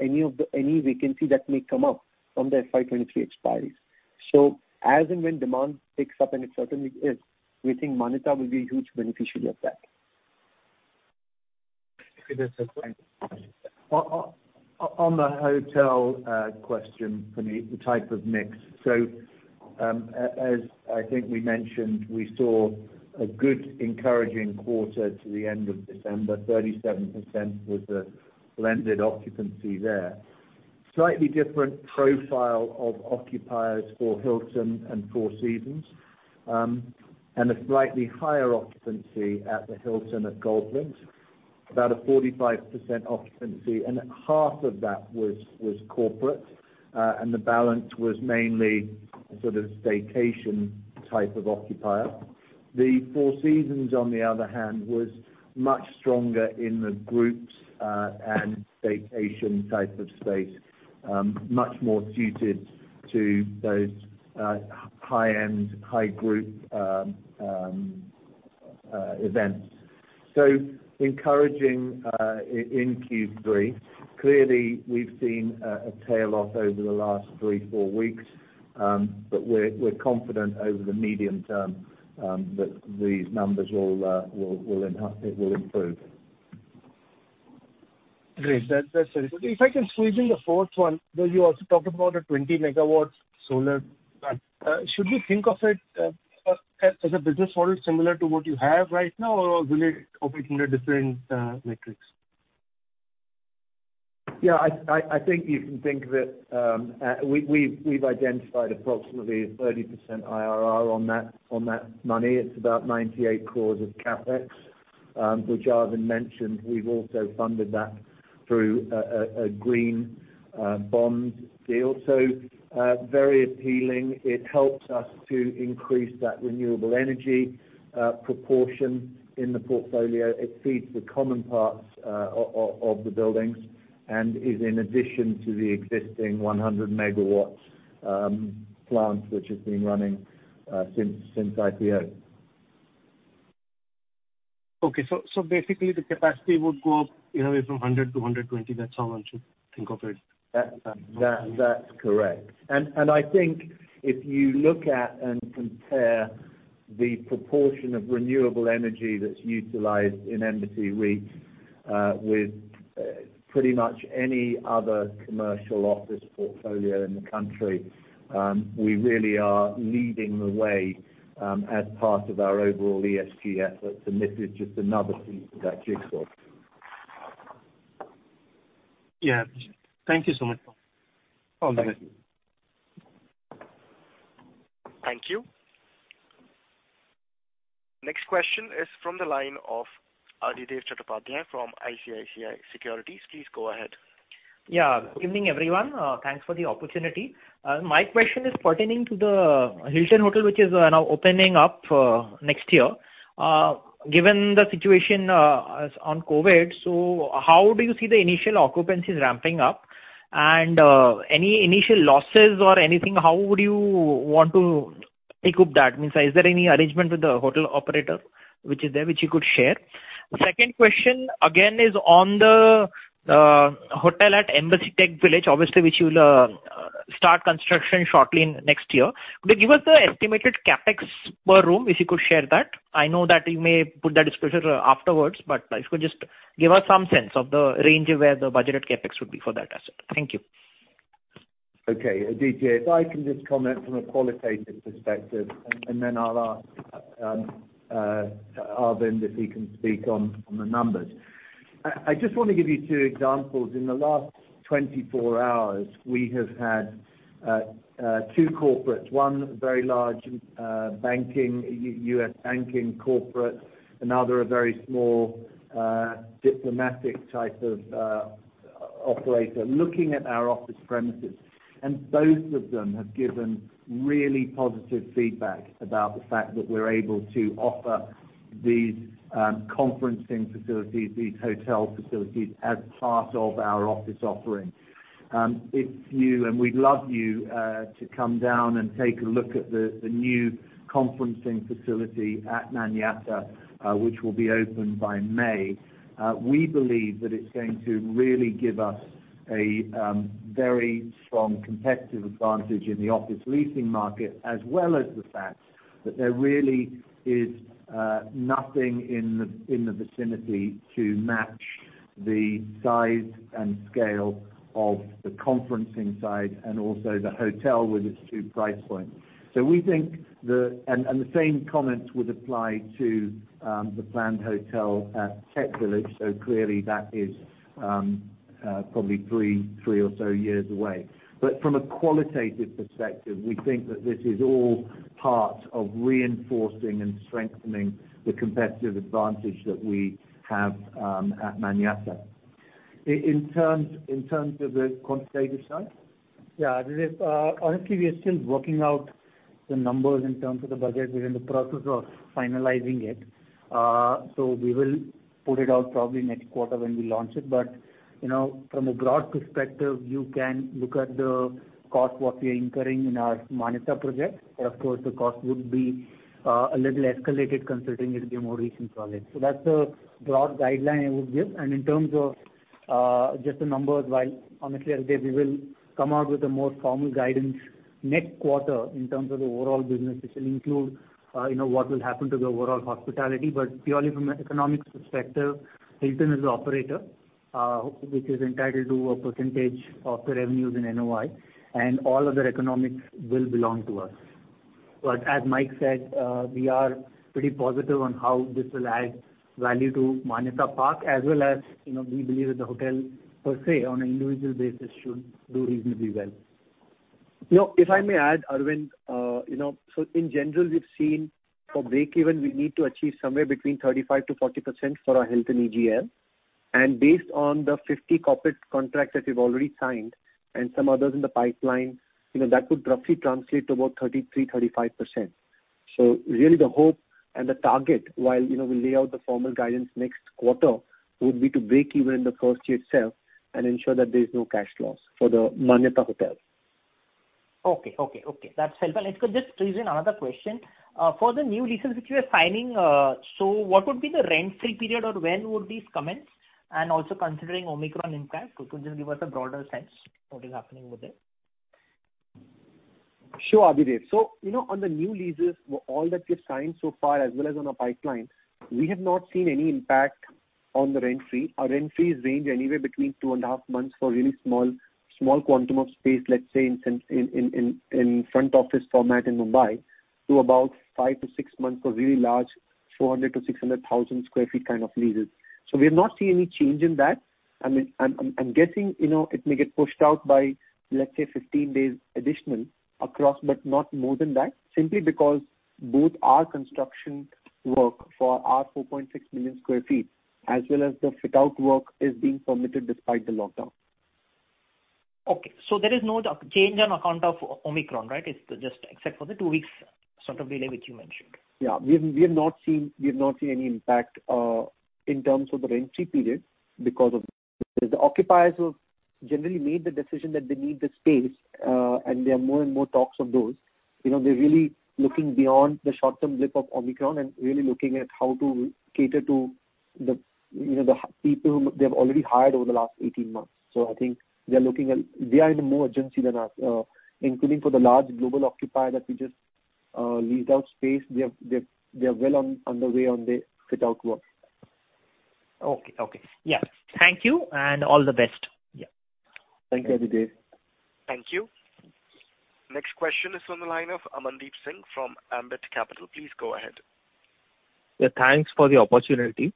S5: any vacancy that may come up from the FY 2023 expiries. As and when demand picks up, and it certainly is, we think Manyata will be a huge beneficiary of that.
S4: Maybe there's a point. On the hotel question for me, the type of mix. As I think we mentioned, we saw a good encouraging quarter to the end of December. 37% was the blended occupancy there. Slightly different profile of occupiers for Hilton and Four Seasons. And a slightly higher occupancy at the Hilton at Golf Links, about a 45% occupancy, and half of that was corporate, and the balance was mainly sort of staycation type of occupier. The Four Seasons, on the other hand, was much stronger in the groups, and staycation type of space, much more suited to those high-end, high group events. Encouraging in Q3. Clearly, we've seen a tail off over the last three, four weeks, but we're confident over the medium term that these numbers will improve.
S7: Great. That's very good. If I can squeeze in the fourth one, where you also talked about a 20 MW solar. Should we think of it as a business model similar to what you have right now or will it operate in a different metrics?
S4: Yeah, I think you can think of it, we've identified approximately 30% IRR on that money. It's about 98 crore of CapEx, which Aravind mentioned. We've also funded that through a green bond deal. Very appealing. It helps us to increase that renewable energy proportion in the portfolio. It feeds the common parts of the buildings and is in addition to the existing 100 MW plant which has been running since IPO.
S7: Basically the capacity would go up, you know, from 100 to 120. That's how one should think of it?
S4: That's correct. I think if you look at and compare the proportion of renewable energy that's utilized in Embassy REIT with pretty much any other commercial office portfolio in the country, we really are leading the way as part of our overall ESG efforts, and this is just another piece of that jigsaw.
S7: Yeah. Thank you so much.
S1: Thank you. Next question is from the line of Adhidev Chattopadhyay from ICICI Securities. Please go ahead.
S8: Yeah. Good evening, everyone. Thanks for the opportunity. My question is pertaining to the Hilton Hotel, which is now opening up next year. Given the situation on COVID, so how do you see the initial occupancies ramping up? Any initial losses or anything, how would you want to make up that? I mean, is there any arrangement with the hotel operator which is there, which you could share? Second question, again is on the hotel at Embassy TechVillage, obviously, which you'll start construction shortly in next year. Could you give us the estimated CapEx per room, if you could share that? I know that you may put that disclosure afterwards, but if you could just give us some sense of the range where the budgeted CapEx would be for that asset. Thank you.
S4: Okay. Adhidev, if I can just comment from a qualitative perspective, and then I'll ask Aravind if he can speak on the numbers. I just wanna give you two examples. In the last 24 hours, we have had two corporates, one very large banking U.S. banking corporate. Another, a very small diplomatic type of operator, looking at our office premises, both of them have given really positive feedback about the fact that we're able to offer these conferencing facilities, these hotel facilities as part of our office offering. We'd love you to come down and take a look at the new conferencing facility at Manyata, which will be open by May. We believe that it's going to really give us a very strong competitive advantage in the office leasing market, as well as the fact that there really is nothing in the vicinity to match the size and scale of the conferencing side and also the hotel with its two price points. We think the The same comments would apply to the planned hotel at TechVillage, so clearly that is probably three or so years away. From a qualitative perspective, we think that this is all part of reinforcing and strengthening the competitive advantage that we have at Manyata. In terms of the quantitative side?
S3: Yeah. Adhidev. Honestly, we are still working out the numbers in terms of the budget. We're in the process of finalizing it. We will put it out probably next quarter when we launch it. You know, from a broad perspective, you can look at the cost, what we are incurring in our Manyata project. Of course, the cost would be a little escalated considering it'll be a more recent project. That's the broad guideline I would give.
S5: In terms of just the numbers, while honestly, Adhidev, we will come out with a more formal guidance next quarter in terms of the overall business, which will include, you know, what will happen to the overall hospitality. Purely from an economics perspective, Hilton is the operator, which is entitled to a percentage of the revenues in NOI, and all other economics will belong to us. As Mike said, we are pretty positive on how this will add value to Manyata Park, as well as, you know, we believe that the hotel per se, on an individual basis, should do reasonably well. You know, if I may add, Aravind, you know, in general, we've seen for break-even, we need to achieve somewhere between 35%-40% for our Hilton EGL. Based on the 50 corporate contracts that we've already signed and some others in the pipeline, you know, that would roughly translate to about 33%-35%. So really the hope and the target, while, you know, we'll lay out the formal guidance next quarter, would be to break even in the first year itself and ensure that there is no cash loss for the Manyata Hotel.
S8: Okay. That's helpful. Could I just raise another question. For the new leases which we are signing, so what would be the rent-free period or when would these commence? And also considering Omicron impact, could you just give us a broader sense what is happening with it?
S5: Sure, Adhidev. So, you know, on the new leases, all that we've signed so far as well as on our pipeline, we have not seen any impact on the rent-free. Our rent-frees range anywhere between 2.5 Months for a really small quantum of space, let's say, in some front office format in Mumbai, to about five-six months for really large, 400,000 sq ft-600,000 sq ft kind of leases. We have not seen any change in that. I mean, I'm guessing, you know, it may get pushed out by, let's say, 15 days additional across, but not more than that, simply because both our construction work for our 4.6 million sq ft as well as the fit-out work is being permitted despite the lockdown.
S8: Okay. There is no change on account of Omicron, right? It's just except for the 2 weeks sort of delay which you mentioned. Yeah.
S3: We have not seen any impact in terms of the rent-free period because of this. The occupiers have generally made the decision that they need the space, and there are more and more talks of those. You know, they're really looking beyond the short-term blip of Omicron and really looking at how to cater to the, you know, the people they have already hired over the last 18 months. I think they're looking at. They are in more urgency than us. Including for the large global occupier that we just leased out space. They are well on the way on the fit-out work.
S8: Okay. Yeah. Thank you and all the best. Yeah.
S4: Thank you, Adhidev.
S1: Thank you. Next question is from the line of Amandeep Singh from Ambit Capital. Please go ahead.
S9: Yeah. Thanks for the opportunity.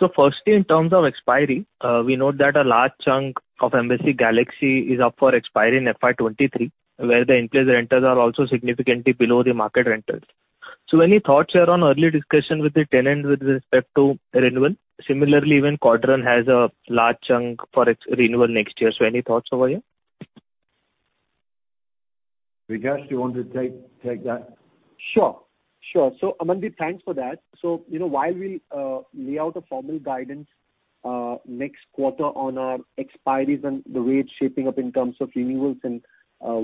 S9: Firstly, in terms of expiry, we know that a large chunk of Embassy Galaxy is up for expiry in FY 2023, where the in-place rentals are also significantly below the market rentals. Any thoughts here on early discussion with the tenant with respect to renewal? Similarly, even Quadron has a large chunk for its renewal next year. Any thoughts over here?
S4: Vikaash, do you want to take that?
S5: Sure. Amandeep, thanks for that. You know, while we'll lay out a formal guidance next quarter on our expiries and the way it's shaping up in terms of renewals and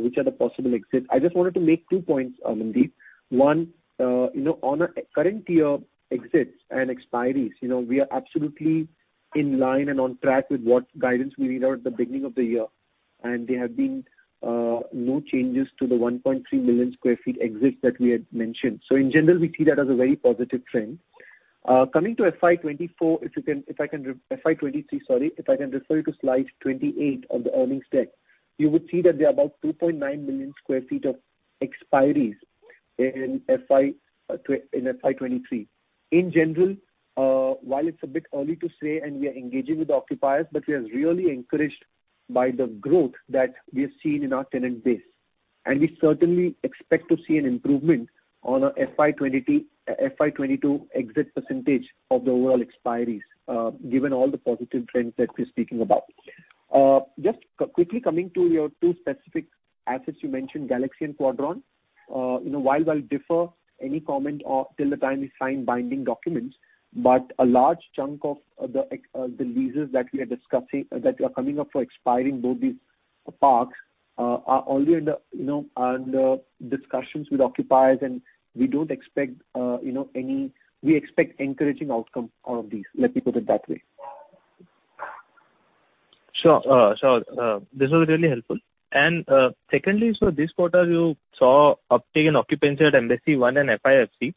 S5: which are the possible exits, I just wanted to make two points, Amandeep. One, you know, on our current year exits and expiries, you know, we are absolutely in line and on track with what guidance we laid out at the beginning of the year. There have been no changes to the 1.3 million sq ft exits that we had mentioned. In general, we see that as a very positive trend. Coming to FY 2024, FY 2023, sorry. If I can refer you to slide 28 on the earnings deck, you would see that there are about 2.9 million sq ft of expiries in FY 2023. In general, while it's a bit early to say, and we are engaging with the occupiers, but we are really encouraged by the growth that we have seen in our tenant base. We certainly expect to see an improvement on our FY 2022 exit percentage of the overall expiries, given all the positive trends that we're speaking about. Just quickly coming to your two specific assets you mentioned, Galaxy and Quadron. You know, while I'll defer any comment till the time we sign binding documents, but a large chunk of the leases that we are discussing that are coming up for expiry in both these parks are already under, you know, under discussions with occupiers, and we don't expect, you know, any. We expect encouraging outcome out of these. Let me put it that way.
S9: Sure, sure. This was really helpful. Secondly, so this quarter you saw uptick in occupancy at Embassy One and FIFC.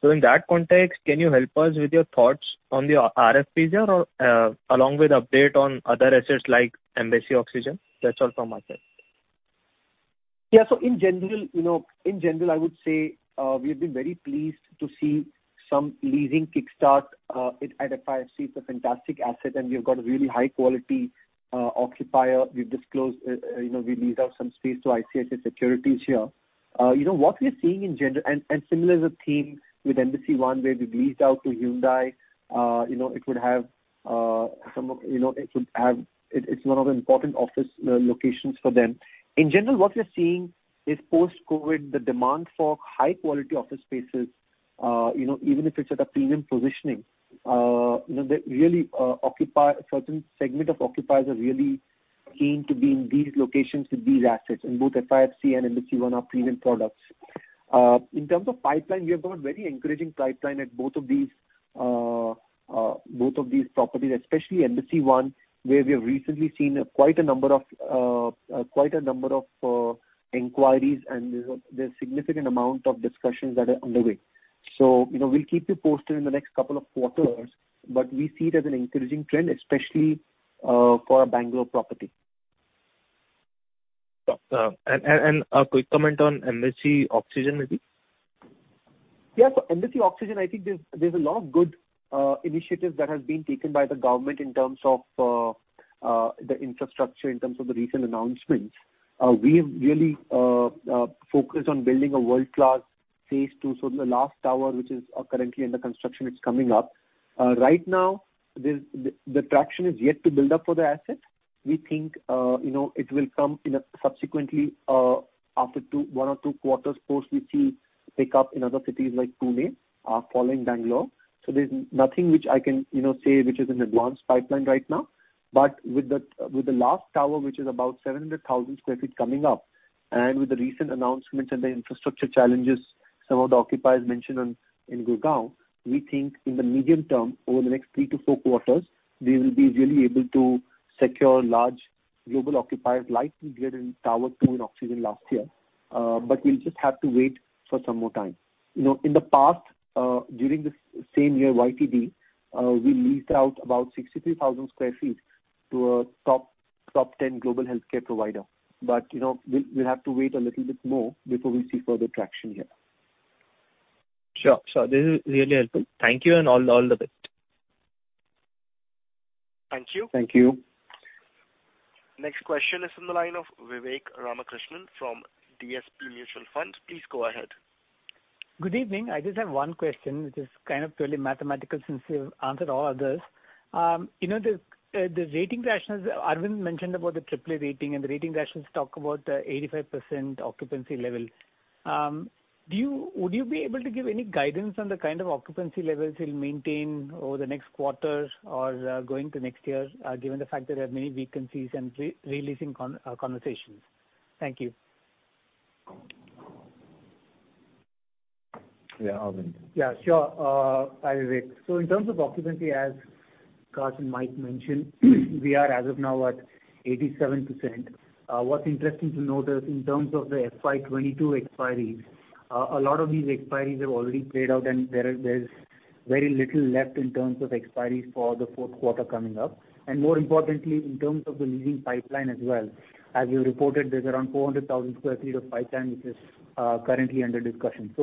S9: In that context, can you help us with your thoughts on the RFPs or along with update on other assets like Embassy Oxygen? That's all from my side.
S5: In general, you know, I would say we've been very pleased to see some leasing kickstart at FIFC. It's a fantastic asset, and we've got a really high quality occupier. We've disclosed, you know, we leased out some space to ICICI Securities here. What we're seeing in general, similar is the theme with Embassy One, where we've leased out to Hyundai. It's one of the important office locations for them. In general, what we're seeing is post-COVID, the demand for high quality office spaces, you know, even if it's at a premium positioning, you know, a certain segment of occupiers are really keen to be in these locations with these assets, and both FIFC and Embassy One are premium products. In terms of pipeline, we have got very encouraging pipeline at both of these properties. Especially Embassy One, where we have recently seen quite a number of inquiries, and there's significant amount of discussions that are underway. You know, we'll keep you posted in the next couple of quarters. We see it as an encouraging trend, especially for our Bangalore property.
S9: A quick comment on Embassy Oxygen, maybe.
S5: Yeah. Embassy Oxygen, I think there's a lot of good initiatives that has been taken by the government in terms of the infrastructure, in terms of the recent announcements. We've really focused on building a world-class phase II. The last tower, which is currently under construction, it's coming up. Right now, the traction is yet to build up for the asset. We think, you know, it will come in subsequently after one or two quarters post which we pick up in other cities like Pune following Bangalore. There's nothing which I can, you know, say which is in advanced pipeline right now. With the last tower, which is about 700,000 sq ft coming up, and with the recent announcements and the infrastructure challenges some of the occupiers mentioned on, in Gurgaon, we think in the medium term, over the next three-four quarters, we will be really able to secure large global occupiers like we did in Tower 2 in Oxygen last year. We'll just have to wait for some more time. You know, in the past, during this same year, YTD, we leased out about 63,000 sq ft to a top ten global healthcare provider. You know, we'll have to wait a little bit more before we see further traction here.
S9: Sure, sure. This is really helpful. Thank you, and all the best.
S1: Thank you.
S5: Thank you.
S1: Next question is from the line of Vivek Ramakrishnan from DSP Mutual Fund. Please go ahead.
S10: Good evening. I just have one question, which is kind of purely mathematical since you've answered all others. You know, the rating rationale, Aravind mentioned about the AAA rating, and the rating rationale talk about 85% occupancy level. Would you be able to give any guidance on the kind of occupancy levels you'll maintain over the next quarter or going to next year, given the fact there are many vacancies and re-leasing conversations? Thank you.
S4: Yeah, Aravind.
S3: Yeah, sure. Hi, Vivek. In terms of occupancy, as Karthik and Mike mentioned, we are as of now at 87%. What's interesting to note is in terms of the FY 2022 expiries, a lot of these expiries have already played out, and there's very little left in terms of expiries for the fourth quarter coming up. More importantly, in terms of the leasing pipeline as well, as we reported, there's around 400,000 sq ft of pipeline which is currently under discussion.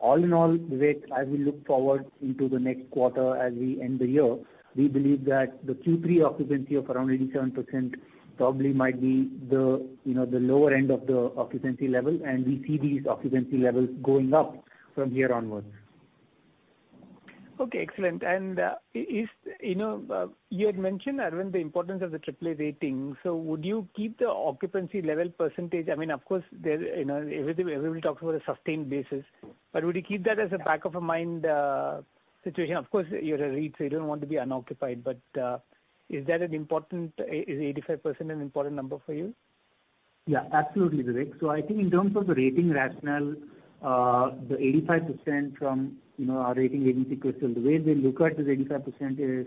S3: All in all, Vivek, as we look forward into the next quarter as we end the year, we believe that the Q3 occupancy of around 87% probably might be the, you know, the lower end of the occupancy level, and we see these occupancy levels going up from here onwards.
S10: Okay, excellent. You know, you had mentioned, Aravind, the importance of the AAA rating. Would you keep the occupancy level percentage? I mean, of course, you know, everybody talks about a sustained basis. Would you keep that as a back-of-mind situation? Of course, you're a REIT, so you don't want to be unoccupied. Is 85% an important number for you?
S3: Yeah, absolutely, Vivek. I think in terms of the rating rationale, the 85% from, you know, our rating agency, CRISIL, the way they look at this 85% is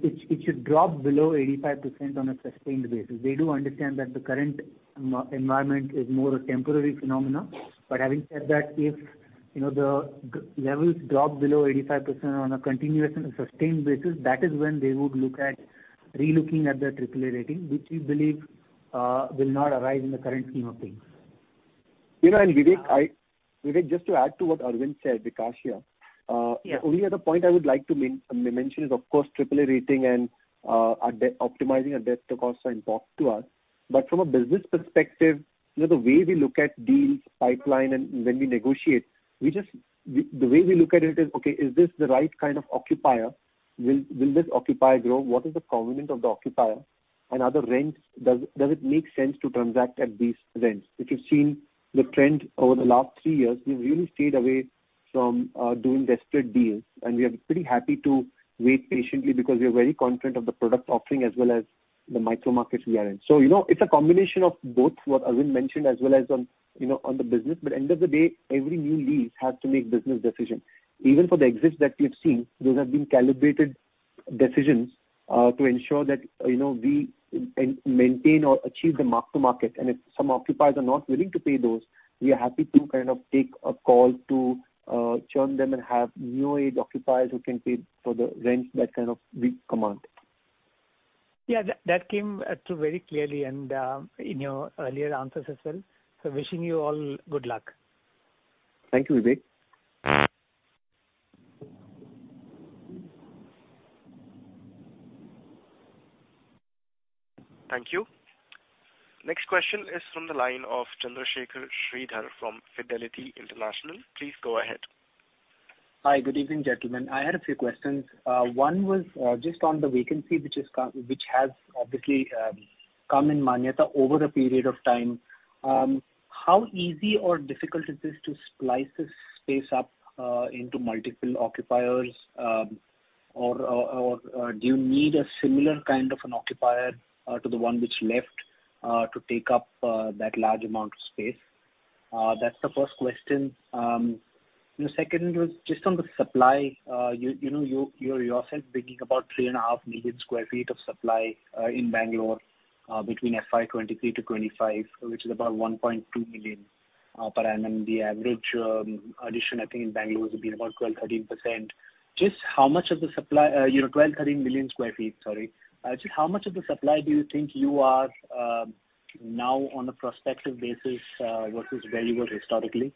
S3: it should drop below 85% on a sustained basis. They do understand that the current environment is more a temporary phenomenon. Having said that, if, you know, the occupancy levels drop below 85% on a continuous and sustained basis, that is when they would look at relooking at the AAA rating, which we believe will not arise in the current scheme of things.
S5: Vivek, just to add to what Aravind said, Vikaash here.
S10: Yeah.
S5: The only other point I would like to mention is, of course, AAA rating and our optimizing our debt-to-cost are important to us. From a business perspective, you know, the way we look at deals, pipeline, and when we negotiate, the way we look at it is, okay, is this the right kind of occupier? Will this occupier grow? What is the covenant of the occupier and other rents? Does it make sense to transact at these rents? If you've seen the trend over the last three years, we've really stayed away from doing desperate deals. We are pretty happy to wait patiently because we are very confident of the product offering as well as the micro markets we are in. You know, it's a combination of both what Aravind mentioned as well as on, you know, on the business. End of the day, every new lease has to make business decisions. Even for the exits that we've seen, those have been calibrated decisions, to ensure that, you know, we maintain or achieve the mark-to-market. If some occupiers are not willing to pay those, we are happy to kind of take a call to, churn them and have new age occupiers who can pay for the rents that kind of we command.
S10: Yeah. That came through very clearly and in your earlier answers as well. Wishing you all good luck.
S5: Thank you, Vivek.
S1: Thank you. Next question is from the line of Chandrasekhar Sridhar from Fidelity International. Please go ahead.
S11: Hi. Good evening, gentlemen. I had a few questions. One was just on the vacancy, which has obviously come in Manyata over a period of time. How easy or difficult is this to splice this space up into multiple occupiers? Or do you need a similar kind of an occupier to the one which left to take up that large amount of space? That's the first question. The second was just on the supply. You know, you're yourself bringing about 3.5 million sq ft of supply in Bangalore between FY 2023 to 2025, which is about 1.2 million per annum. The average addition, I think, in Bangalore has been about 12%-13%. Just how much of the supply. You know, 12, 13 million sq ft, sorry. Just how much of the supply do you think you are now on a prospective basis versus where you were historically?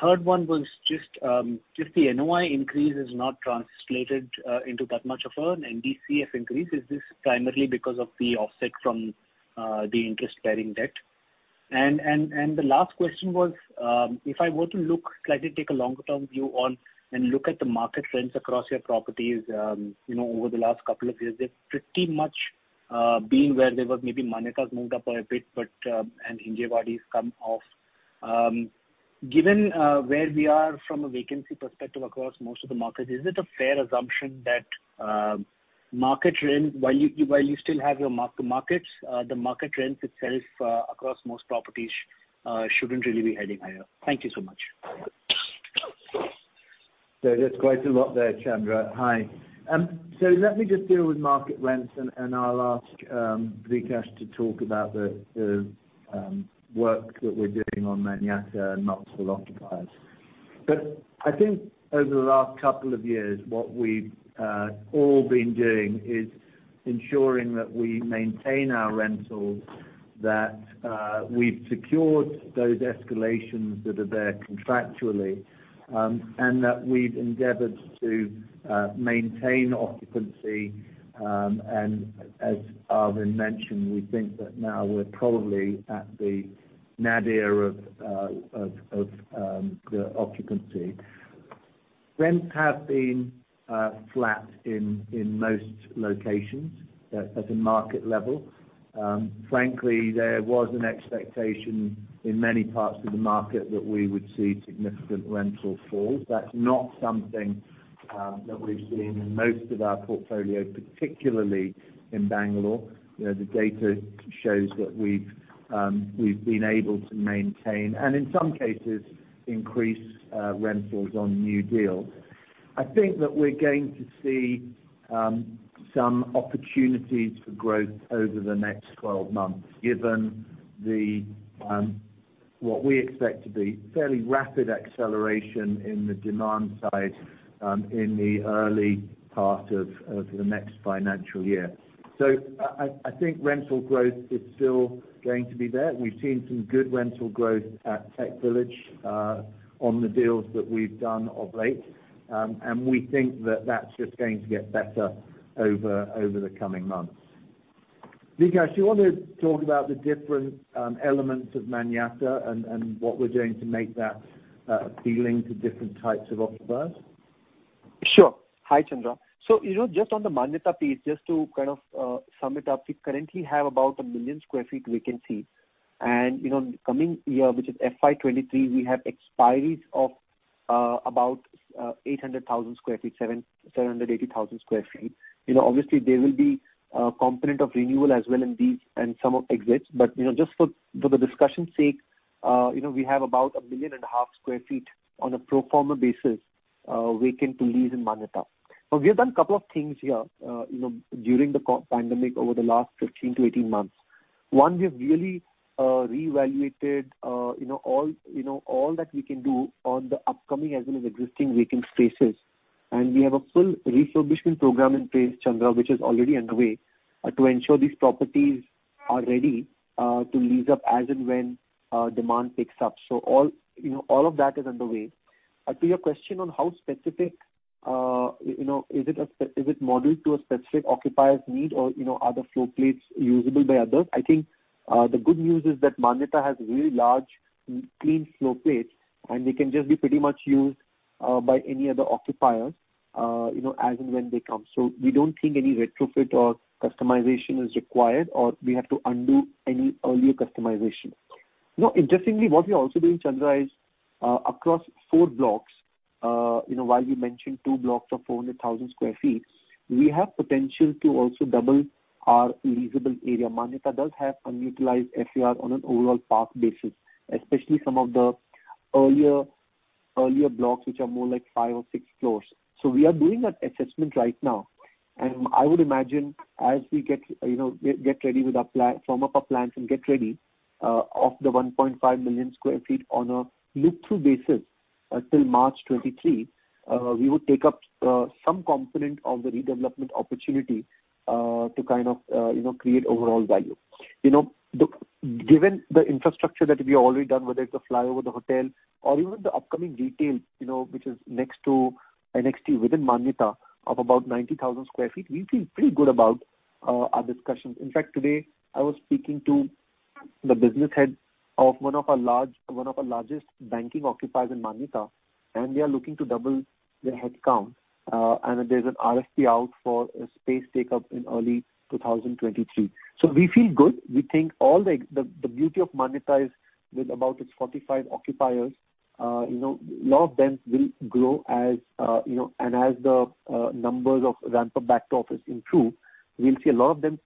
S11: Third one was just if the NOI increase is not translated into that much of an NDCF increase, is this primarily because of the offset from the interest-bearing debt? The last question was if I were to look, slightly take a longer-term view on and look at the market trends across your properties, you know, over the last couple of years, they've pretty much been where they were. Maybe Manyata's moved up a bit, but and Hinjewadi's come off. Given where we are from a vacancy perspective across most of the markets, is it a fair assumption that the market rent, while you still have your mark-to-markets, the market rent levels across most properties shouldn't really be heading higher? Thank you so much.
S4: There's quite a lot there, Chandra. Hi. Let me just deal with market rents, and I'll ask Vikaash to talk about the work that we're doing on Manyata and multiple occupiers. I think over the last couple of years, what we've all been doing is ensuring that we maintain our rentals, that we've secured those escalations that are there contractually, and that we've endeavored to maintain occupancy. As Aravind mentioned, we think that now we're probably at the nadir of the occupancy. Rents have been flat in most locations at a market level. Frankly, there was an expectation in many parts of the market that we would see significant rental fall. That's not something that we've seen in most of our portfolio, particularly in Bangalore, where the data shows that we've been able to maintain and in some cases increase rentals on new deals. I think that we're going to see some opportunities for growth over the next 12 months, given what we expect to be fairly rapid acceleration in the demand side in the early part of the next financial year. I think rental growth is still going to be there. We've seen some good rental growth at TechVillage on the deals that we've done of late. We think that that's just going to get better over the coming months. Vikaash, do you want to talk about the different elements of Manyata and what we're doing to make that appealing to different types of occupiers?
S5: Sure. Hi, Chandra. You know, just on the Manyata piece, just to kind of sum it up, we currently have about a million square feet vacancy. You know, coming year, which is FY 2023, we have expiries of about 800,000 sq ft, 780,000 sq ft. You know, obviously there will be a component of renewal as well in these and some exits. You know, just for the discussion's sake, you know, we have about 1.5 million sq ft on a pro forma basis vacant to lease in Manyata. We have done a couple of things here, you know, during the COVID pandemic over the last 15-18 months. One, we have really reevaluated, you know, all, you know, all that we can do on the upcoming as well as existing vacant spaces. We have a full refurbishment program in place, Chandra, which is already underway, to ensure these properties are ready, to lease up as and when, demand picks up. All, you know, all of that is underway. To your question on how specific, you know, is it modeled to a specific occupier's need or, you know, are the floor plates usable by others? I think, the good news is that Manyata has really large clean floor plates, and they can just be pretty much used, by any other occupier, you know, as and when they come. We don't think any retrofit or customization is required, or we have to undo any earlier customization. You know, interestingly, what we are also doing, Chandra, is across four blocks, you know, while we mentioned two blocks of 400,000 sq ft, we have potential to also double our leasable area. Manyata does have unutilized FAR on an overall park basis, especially some of the earlier blocks, which are more like five or six floors. We are doing that assessment right now. I would imagine as we get ready with our plan, form up our plans and get ready of the 1.5 million sq ft on a look-through basis till March 2023, we would take up some component of the redevelopment opportunity to kind of create overall value. You know, Given the infrastructure that we've already done, whether it's the flyover, the hotel or even the upcoming retail, you know, which is next to NXT within Manyata of about 90,000 sq ft, we feel pretty good about our discussions. In fact, today I was speaking to the business head of one of our large, one of our largest banking occupiers in Manyata, and they are looking to double their headcount. There's an RFP out for a space take up in early 2023. We feel good. We think all the beauty of Manyata is with about its 45 occupiers, you know, a lot of them will grow as you know, and as the numbers or ramp up back to office improve, we'll see a lot of them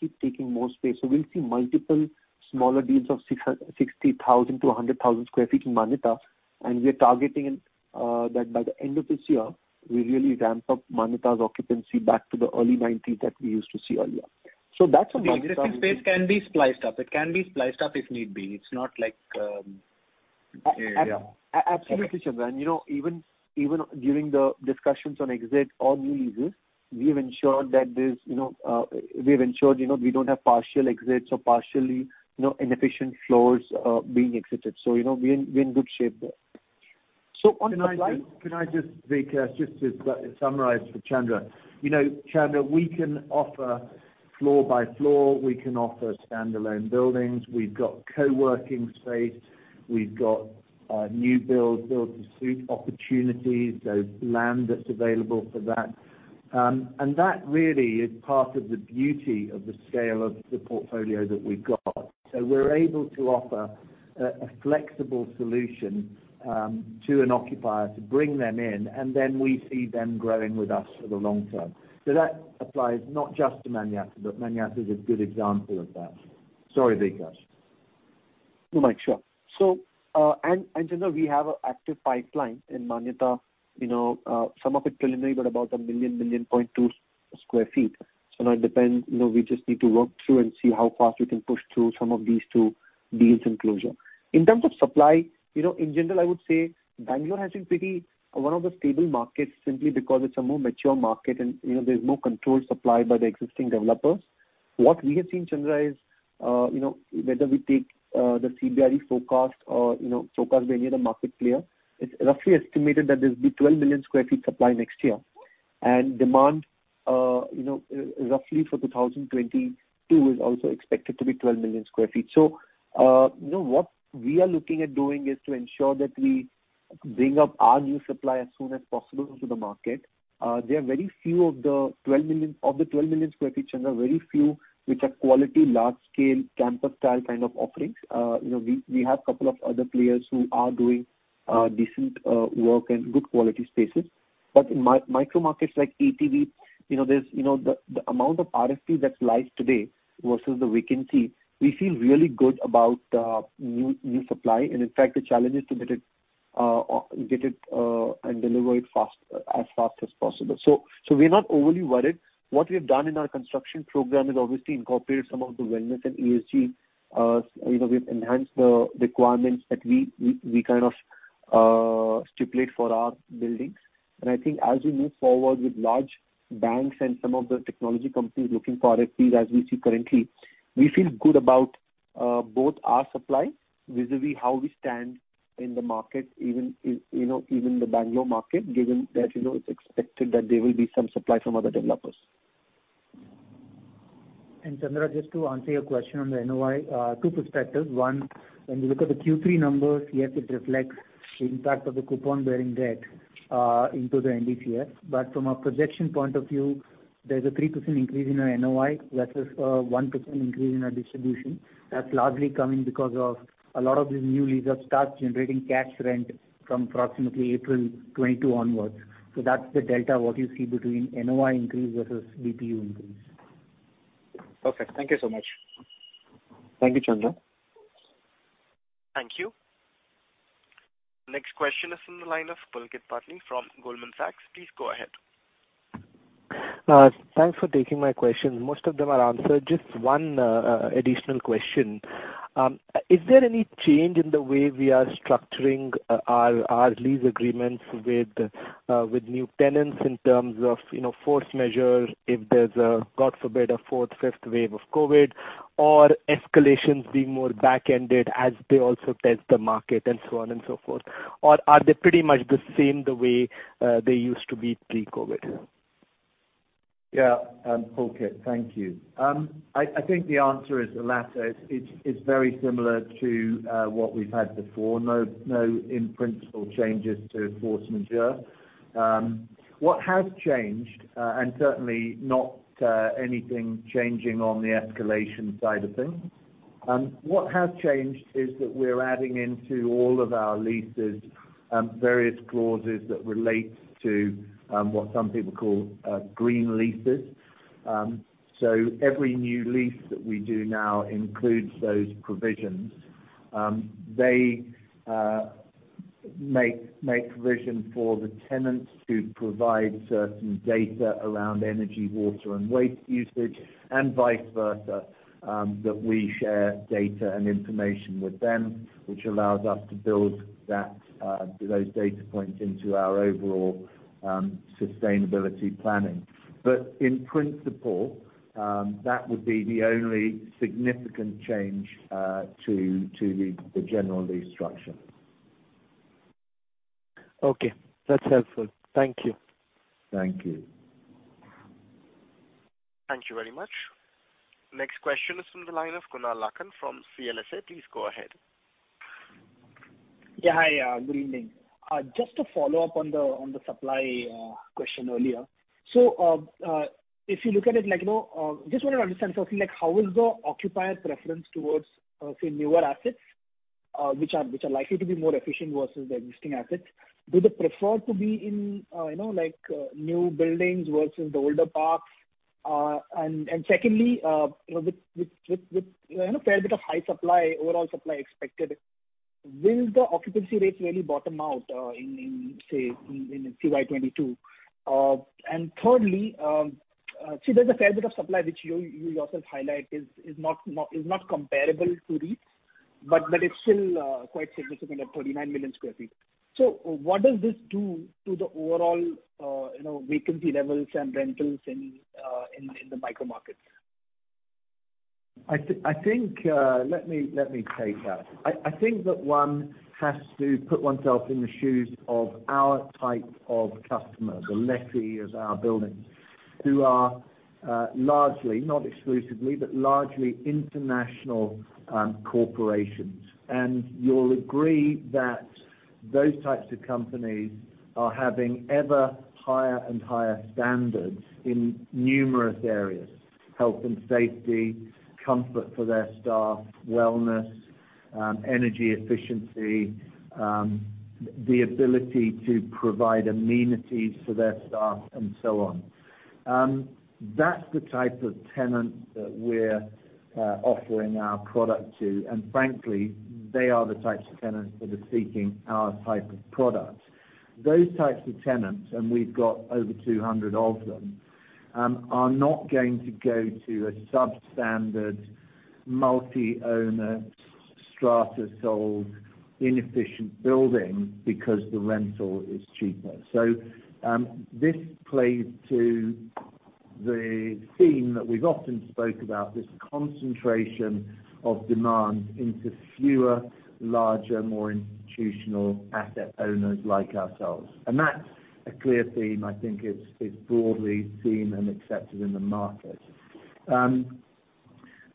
S5: keep taking more space. We'll see multiple smaller deals of 60,000 sq ft-100,000 sq ft in Manyata. We are targeting that by the end of this year, we really ramp up Manyata's occupancy back to the early 90s that we used to see earlier. That's on Manyata.
S11: The existing space can be sliced up. It can be sliced up if need be. It's not like...
S5: Absolutely, Chandra. You know, even during the discussions on exits or new leases, we've ensured that there's, you know, we don't have partial exits or partially, you know, inefficient floors being exited. You know, we're in good shape there.
S4: Can I just, Vikaash, just to summarize for Chandra. You know, Chandra, we can offer floor by floor, we can offer standalone buildings. We've got co-working space, we've got new builds, build to suit opportunities. There's land that's available for that. And that really is part of the beauty of the scale of the portfolio that we've got. We're able to offer a flexible solution to an occupier to bring them in, and then we see them growing with us for the long term. That applies not just to Manyata, but Manyata is a good example of that. Sorry, Vikaash.
S5: No, Mike. Sure. Chandra, we have an active pipeline in Manyata, you know, some of it preliminary, but about 1.2 million sq ft. Now it depends, you know, we just need to work through and see how fast we can push through some of these deals to closure. In terms of supply, you know, in general, I would say Bangalore has been one of the more stable markets simply because it's a more mature market and, you know, there's no controlled supply by the existing developers. What we have seen, Chandra, is you know, whether we take the CBRE forecast or, you know, forecast by any other market player, it's roughly estimated that there'll be 12 million sq ft supply next year. Demand, you know, roughly for 2022 is also expected to be 12 million sq ft. You know, what we are looking at doing is to ensure that we bring up our new supply as soon as possible to the market. There are very few of the 12 million sq ft, Chandra, very few which are quality, large scale campus style kind of offerings. You know, we have couple of other players who are doing decent work and good quality spaces. But in micro markets like ETV, you know, there's the amount of RFPs that's live today versus the vacancy, we feel really good about new supply. In fact, the challenge is to get it and deliver it fast, as fast as possible. We're not overly worried. What we've done in our construction program is obviously incorporated some of the wellness and ESG. You know, we've enhanced the requirements that we kind of stipulate for our buildings. I think as we move forward with large banks and some of the technology companies looking for RFPs, as we see currently, we feel good about both our supply vis-a-vis how we stand in the market, even the Bangalore market, given that you know, it's expected that there will be some supply from other developers.
S3: And Chandra, just to answer your question on the NOI, two perspectives. One, when you look at the Q3 numbers, yes, it reflects the impact of the coupon bearing debt into the NDCF. From a projection point of view, there's a 3% increase in our NOI versus a 1% increase in our distribution. That's largely coming because of a lot of these new leases start generating cash rent from approximately April 2022 onwards. That's the delta, what you see between NOI increase versus DPU increase.
S11: Perfect. Thank you so much.
S4: Thank you, Chandra.
S1: Thank you. Next question is from the line of Pulkit Patni from Goldman Sachs. Please go ahead.
S12: Thanks for taking my questions. Most of them are answered. Just one additional question. Is there any change in the way we are structuring our lease agreements with new tenants in terms of, you know, force majeure if there's a, God forbid, a fourth, fifth wave of COVID, or escalations being more back-ended as they also test the market and so on and so forth? Or are they pretty much the same the way they used to be pre-COVID?
S4: Yeah, Pulkit, thank you. I think the answer is the latter. It's very similar to what we've had before. No in principle changes to force majeure. What has changed, and certainly not anything changing on the escalation side of things, is that we're adding into all of our leases various clauses that relate to what some people call green leases. So every new lease that we do now includes those provisions. They make provision for the tenants to provide certain data around energy, water, and waste usage, and vice versa, that we share data and information with them, which allows us to build those data points into our overall sustainability planning. In principle, that would be the only significant change to the general lease structure.
S12: Okay. That's helpful. Thank you.
S4: Thank you.
S1: Thank you very much. Next question is from the line of Kunal Lakhan from CLSA. Please go ahead.
S13: Yeah, hi, good evening. Just to follow up on the supply question earlier. If you look at it like, you know, just want to understand something like how is the occupier preference towards, say, newer assets, which are likely to be more efficient versus the existing assets. Do they prefer to be in, you know, like, new buildings versus the older parks? Secondly, you know, with a fair bit of high supply, overall supply expected, will the occupancy rates really bottom out in, say, FY 2022? Thirdly, see, there's a fair bit of supply which you yourself highlight is not comparable to REITs, but it's still quite significant at 39 million sq ft. What does this do to the overall, you know, vacancy levels and rentals in the micro markets?
S4: I think, let me take that. I think that one has to put oneself in the shoes of our type of customer, the lessee of our buildings, who are largely, not exclusively, but largely international corporations. You'll agree that those types of companies are having ever higher and higher standards in numerous areas, health and safety, comfort for their staff, wellness, energy efficiency, the ability to provide amenities for their staff, and so on. That's the type of tenant that we're offering our product to, and frankly, they are the types of tenants that are seeking our type of product. Those types of tenants, and we've got over 200 of them, are not going to go to a substandard multi-owner, strata sold, inefficient building because the rental is cheaper. This plays to the theme that we've often spoke about, this concentration of demand into fewer, larger, more institutional asset owners like ourselves. That's a clear theme I think is broadly seen and accepted in the market.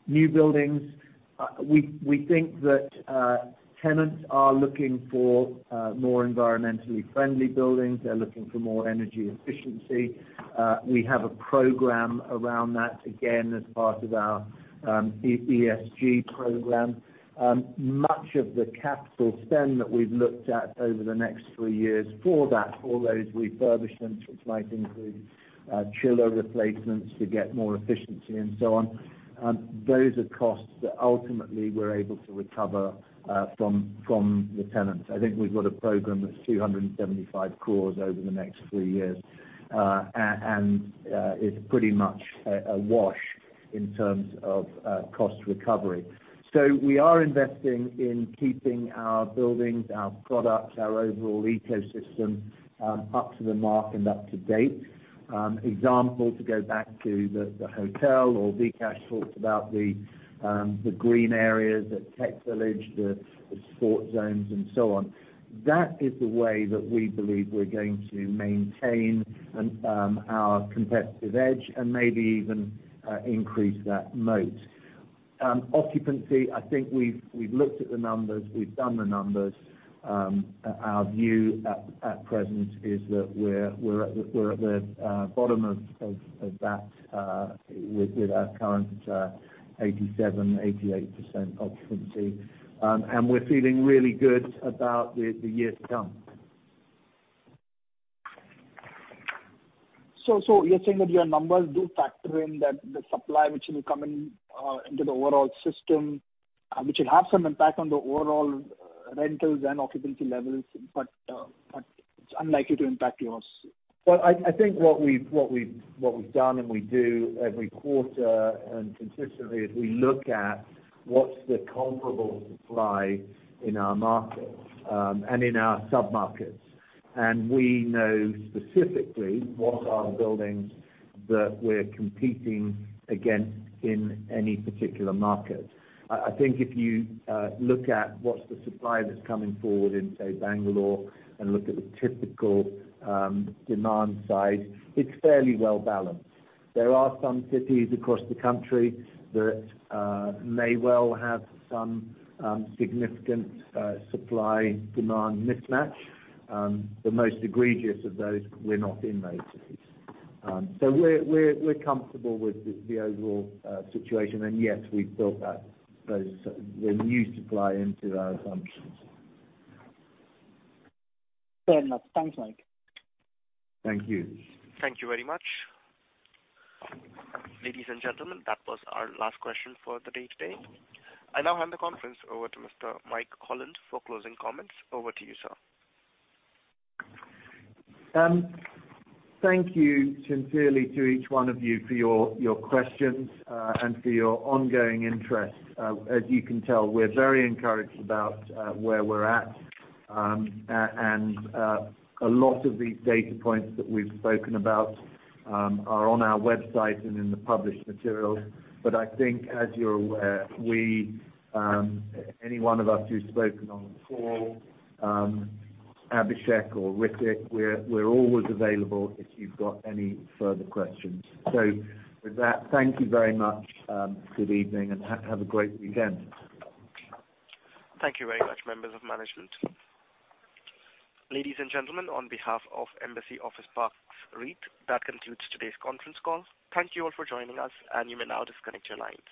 S4: New buildings, we think that tenants are looking for more environmentally friendly buildings. They're looking for more energy efficiency. We have a program around that, again, as part of our ESG program. Much of the capital spend that we've looked at over the next three years for that, for those refurbishments, which might include chiller replacements to get more efficiency and so on, those are costs that ultimately we're able to recover from the tenants. I think we've got a program that's 275 crore over the next three years. It's pretty much a wash in terms of cost recovery. We are investing in keeping our buildings, our products, our overall ecosystem up to the mark and up to date. For example, to go back to the hotel or Vikaash talked about the green areas at TechVillage, the sport zones and so on. That is the way that we believe we're going to maintain our competitive edge and maybe even increase that moat. Occupancy, I think we've looked at the numbers, we've done the numbers. Our view at present is that we're at the bottom of that with our current 87%-88% occupancy. We're feeling really good about the years to come.
S13: You're saying that your numbers do factor in that the supply which will come in, into the overall system, which will have some impact on the overall rentals and occupancy levels, but it's unlikely to impact yours.
S4: Well, I think what we've done and we do every quarter and consistently is we look at what's the comparable supply in our markets, and in our sub-markets. We know specifically what are buildings that we're competing against in any particular market. I think if you look at what's the supply that's coming forward in, say, Bangalore and look at the typical demand side, it's fairly well balanced. There are some cities across the country that may well have some significant supply-demand mismatch. The most egregious of those we're not in those cities. We're comfortable with the overall situation. Yes, we've built the new supply into our assumptions.
S13: Fair enough. Thanks, Mike.
S4: Thank you.
S1: Thank you very much. Ladies and gentlemen, that was our last question for the day today. I now hand the conference over to Mr. Mike Holland for closing comments. Over to you, sir.
S4: Thank you sincerely to each one of you for your questions and for your ongoing interest. As you can tell, we're very encouraged about where we're at. A lot of these data points that we've spoken about are on our website and in the published materials. I think as you're aware, we, any one of us who's spoken on the call, Abhishek or Ritwik, we're always available if you've got any further questions. With that, thank you very much. Good evening and have a great weekend.
S1: Thank you very much, members of management. Ladies and gentlemen, on behalf of Embassy Office Parks REIT, that concludes today's conference call. Thank you all for joining us, and you may now disconnect your lines.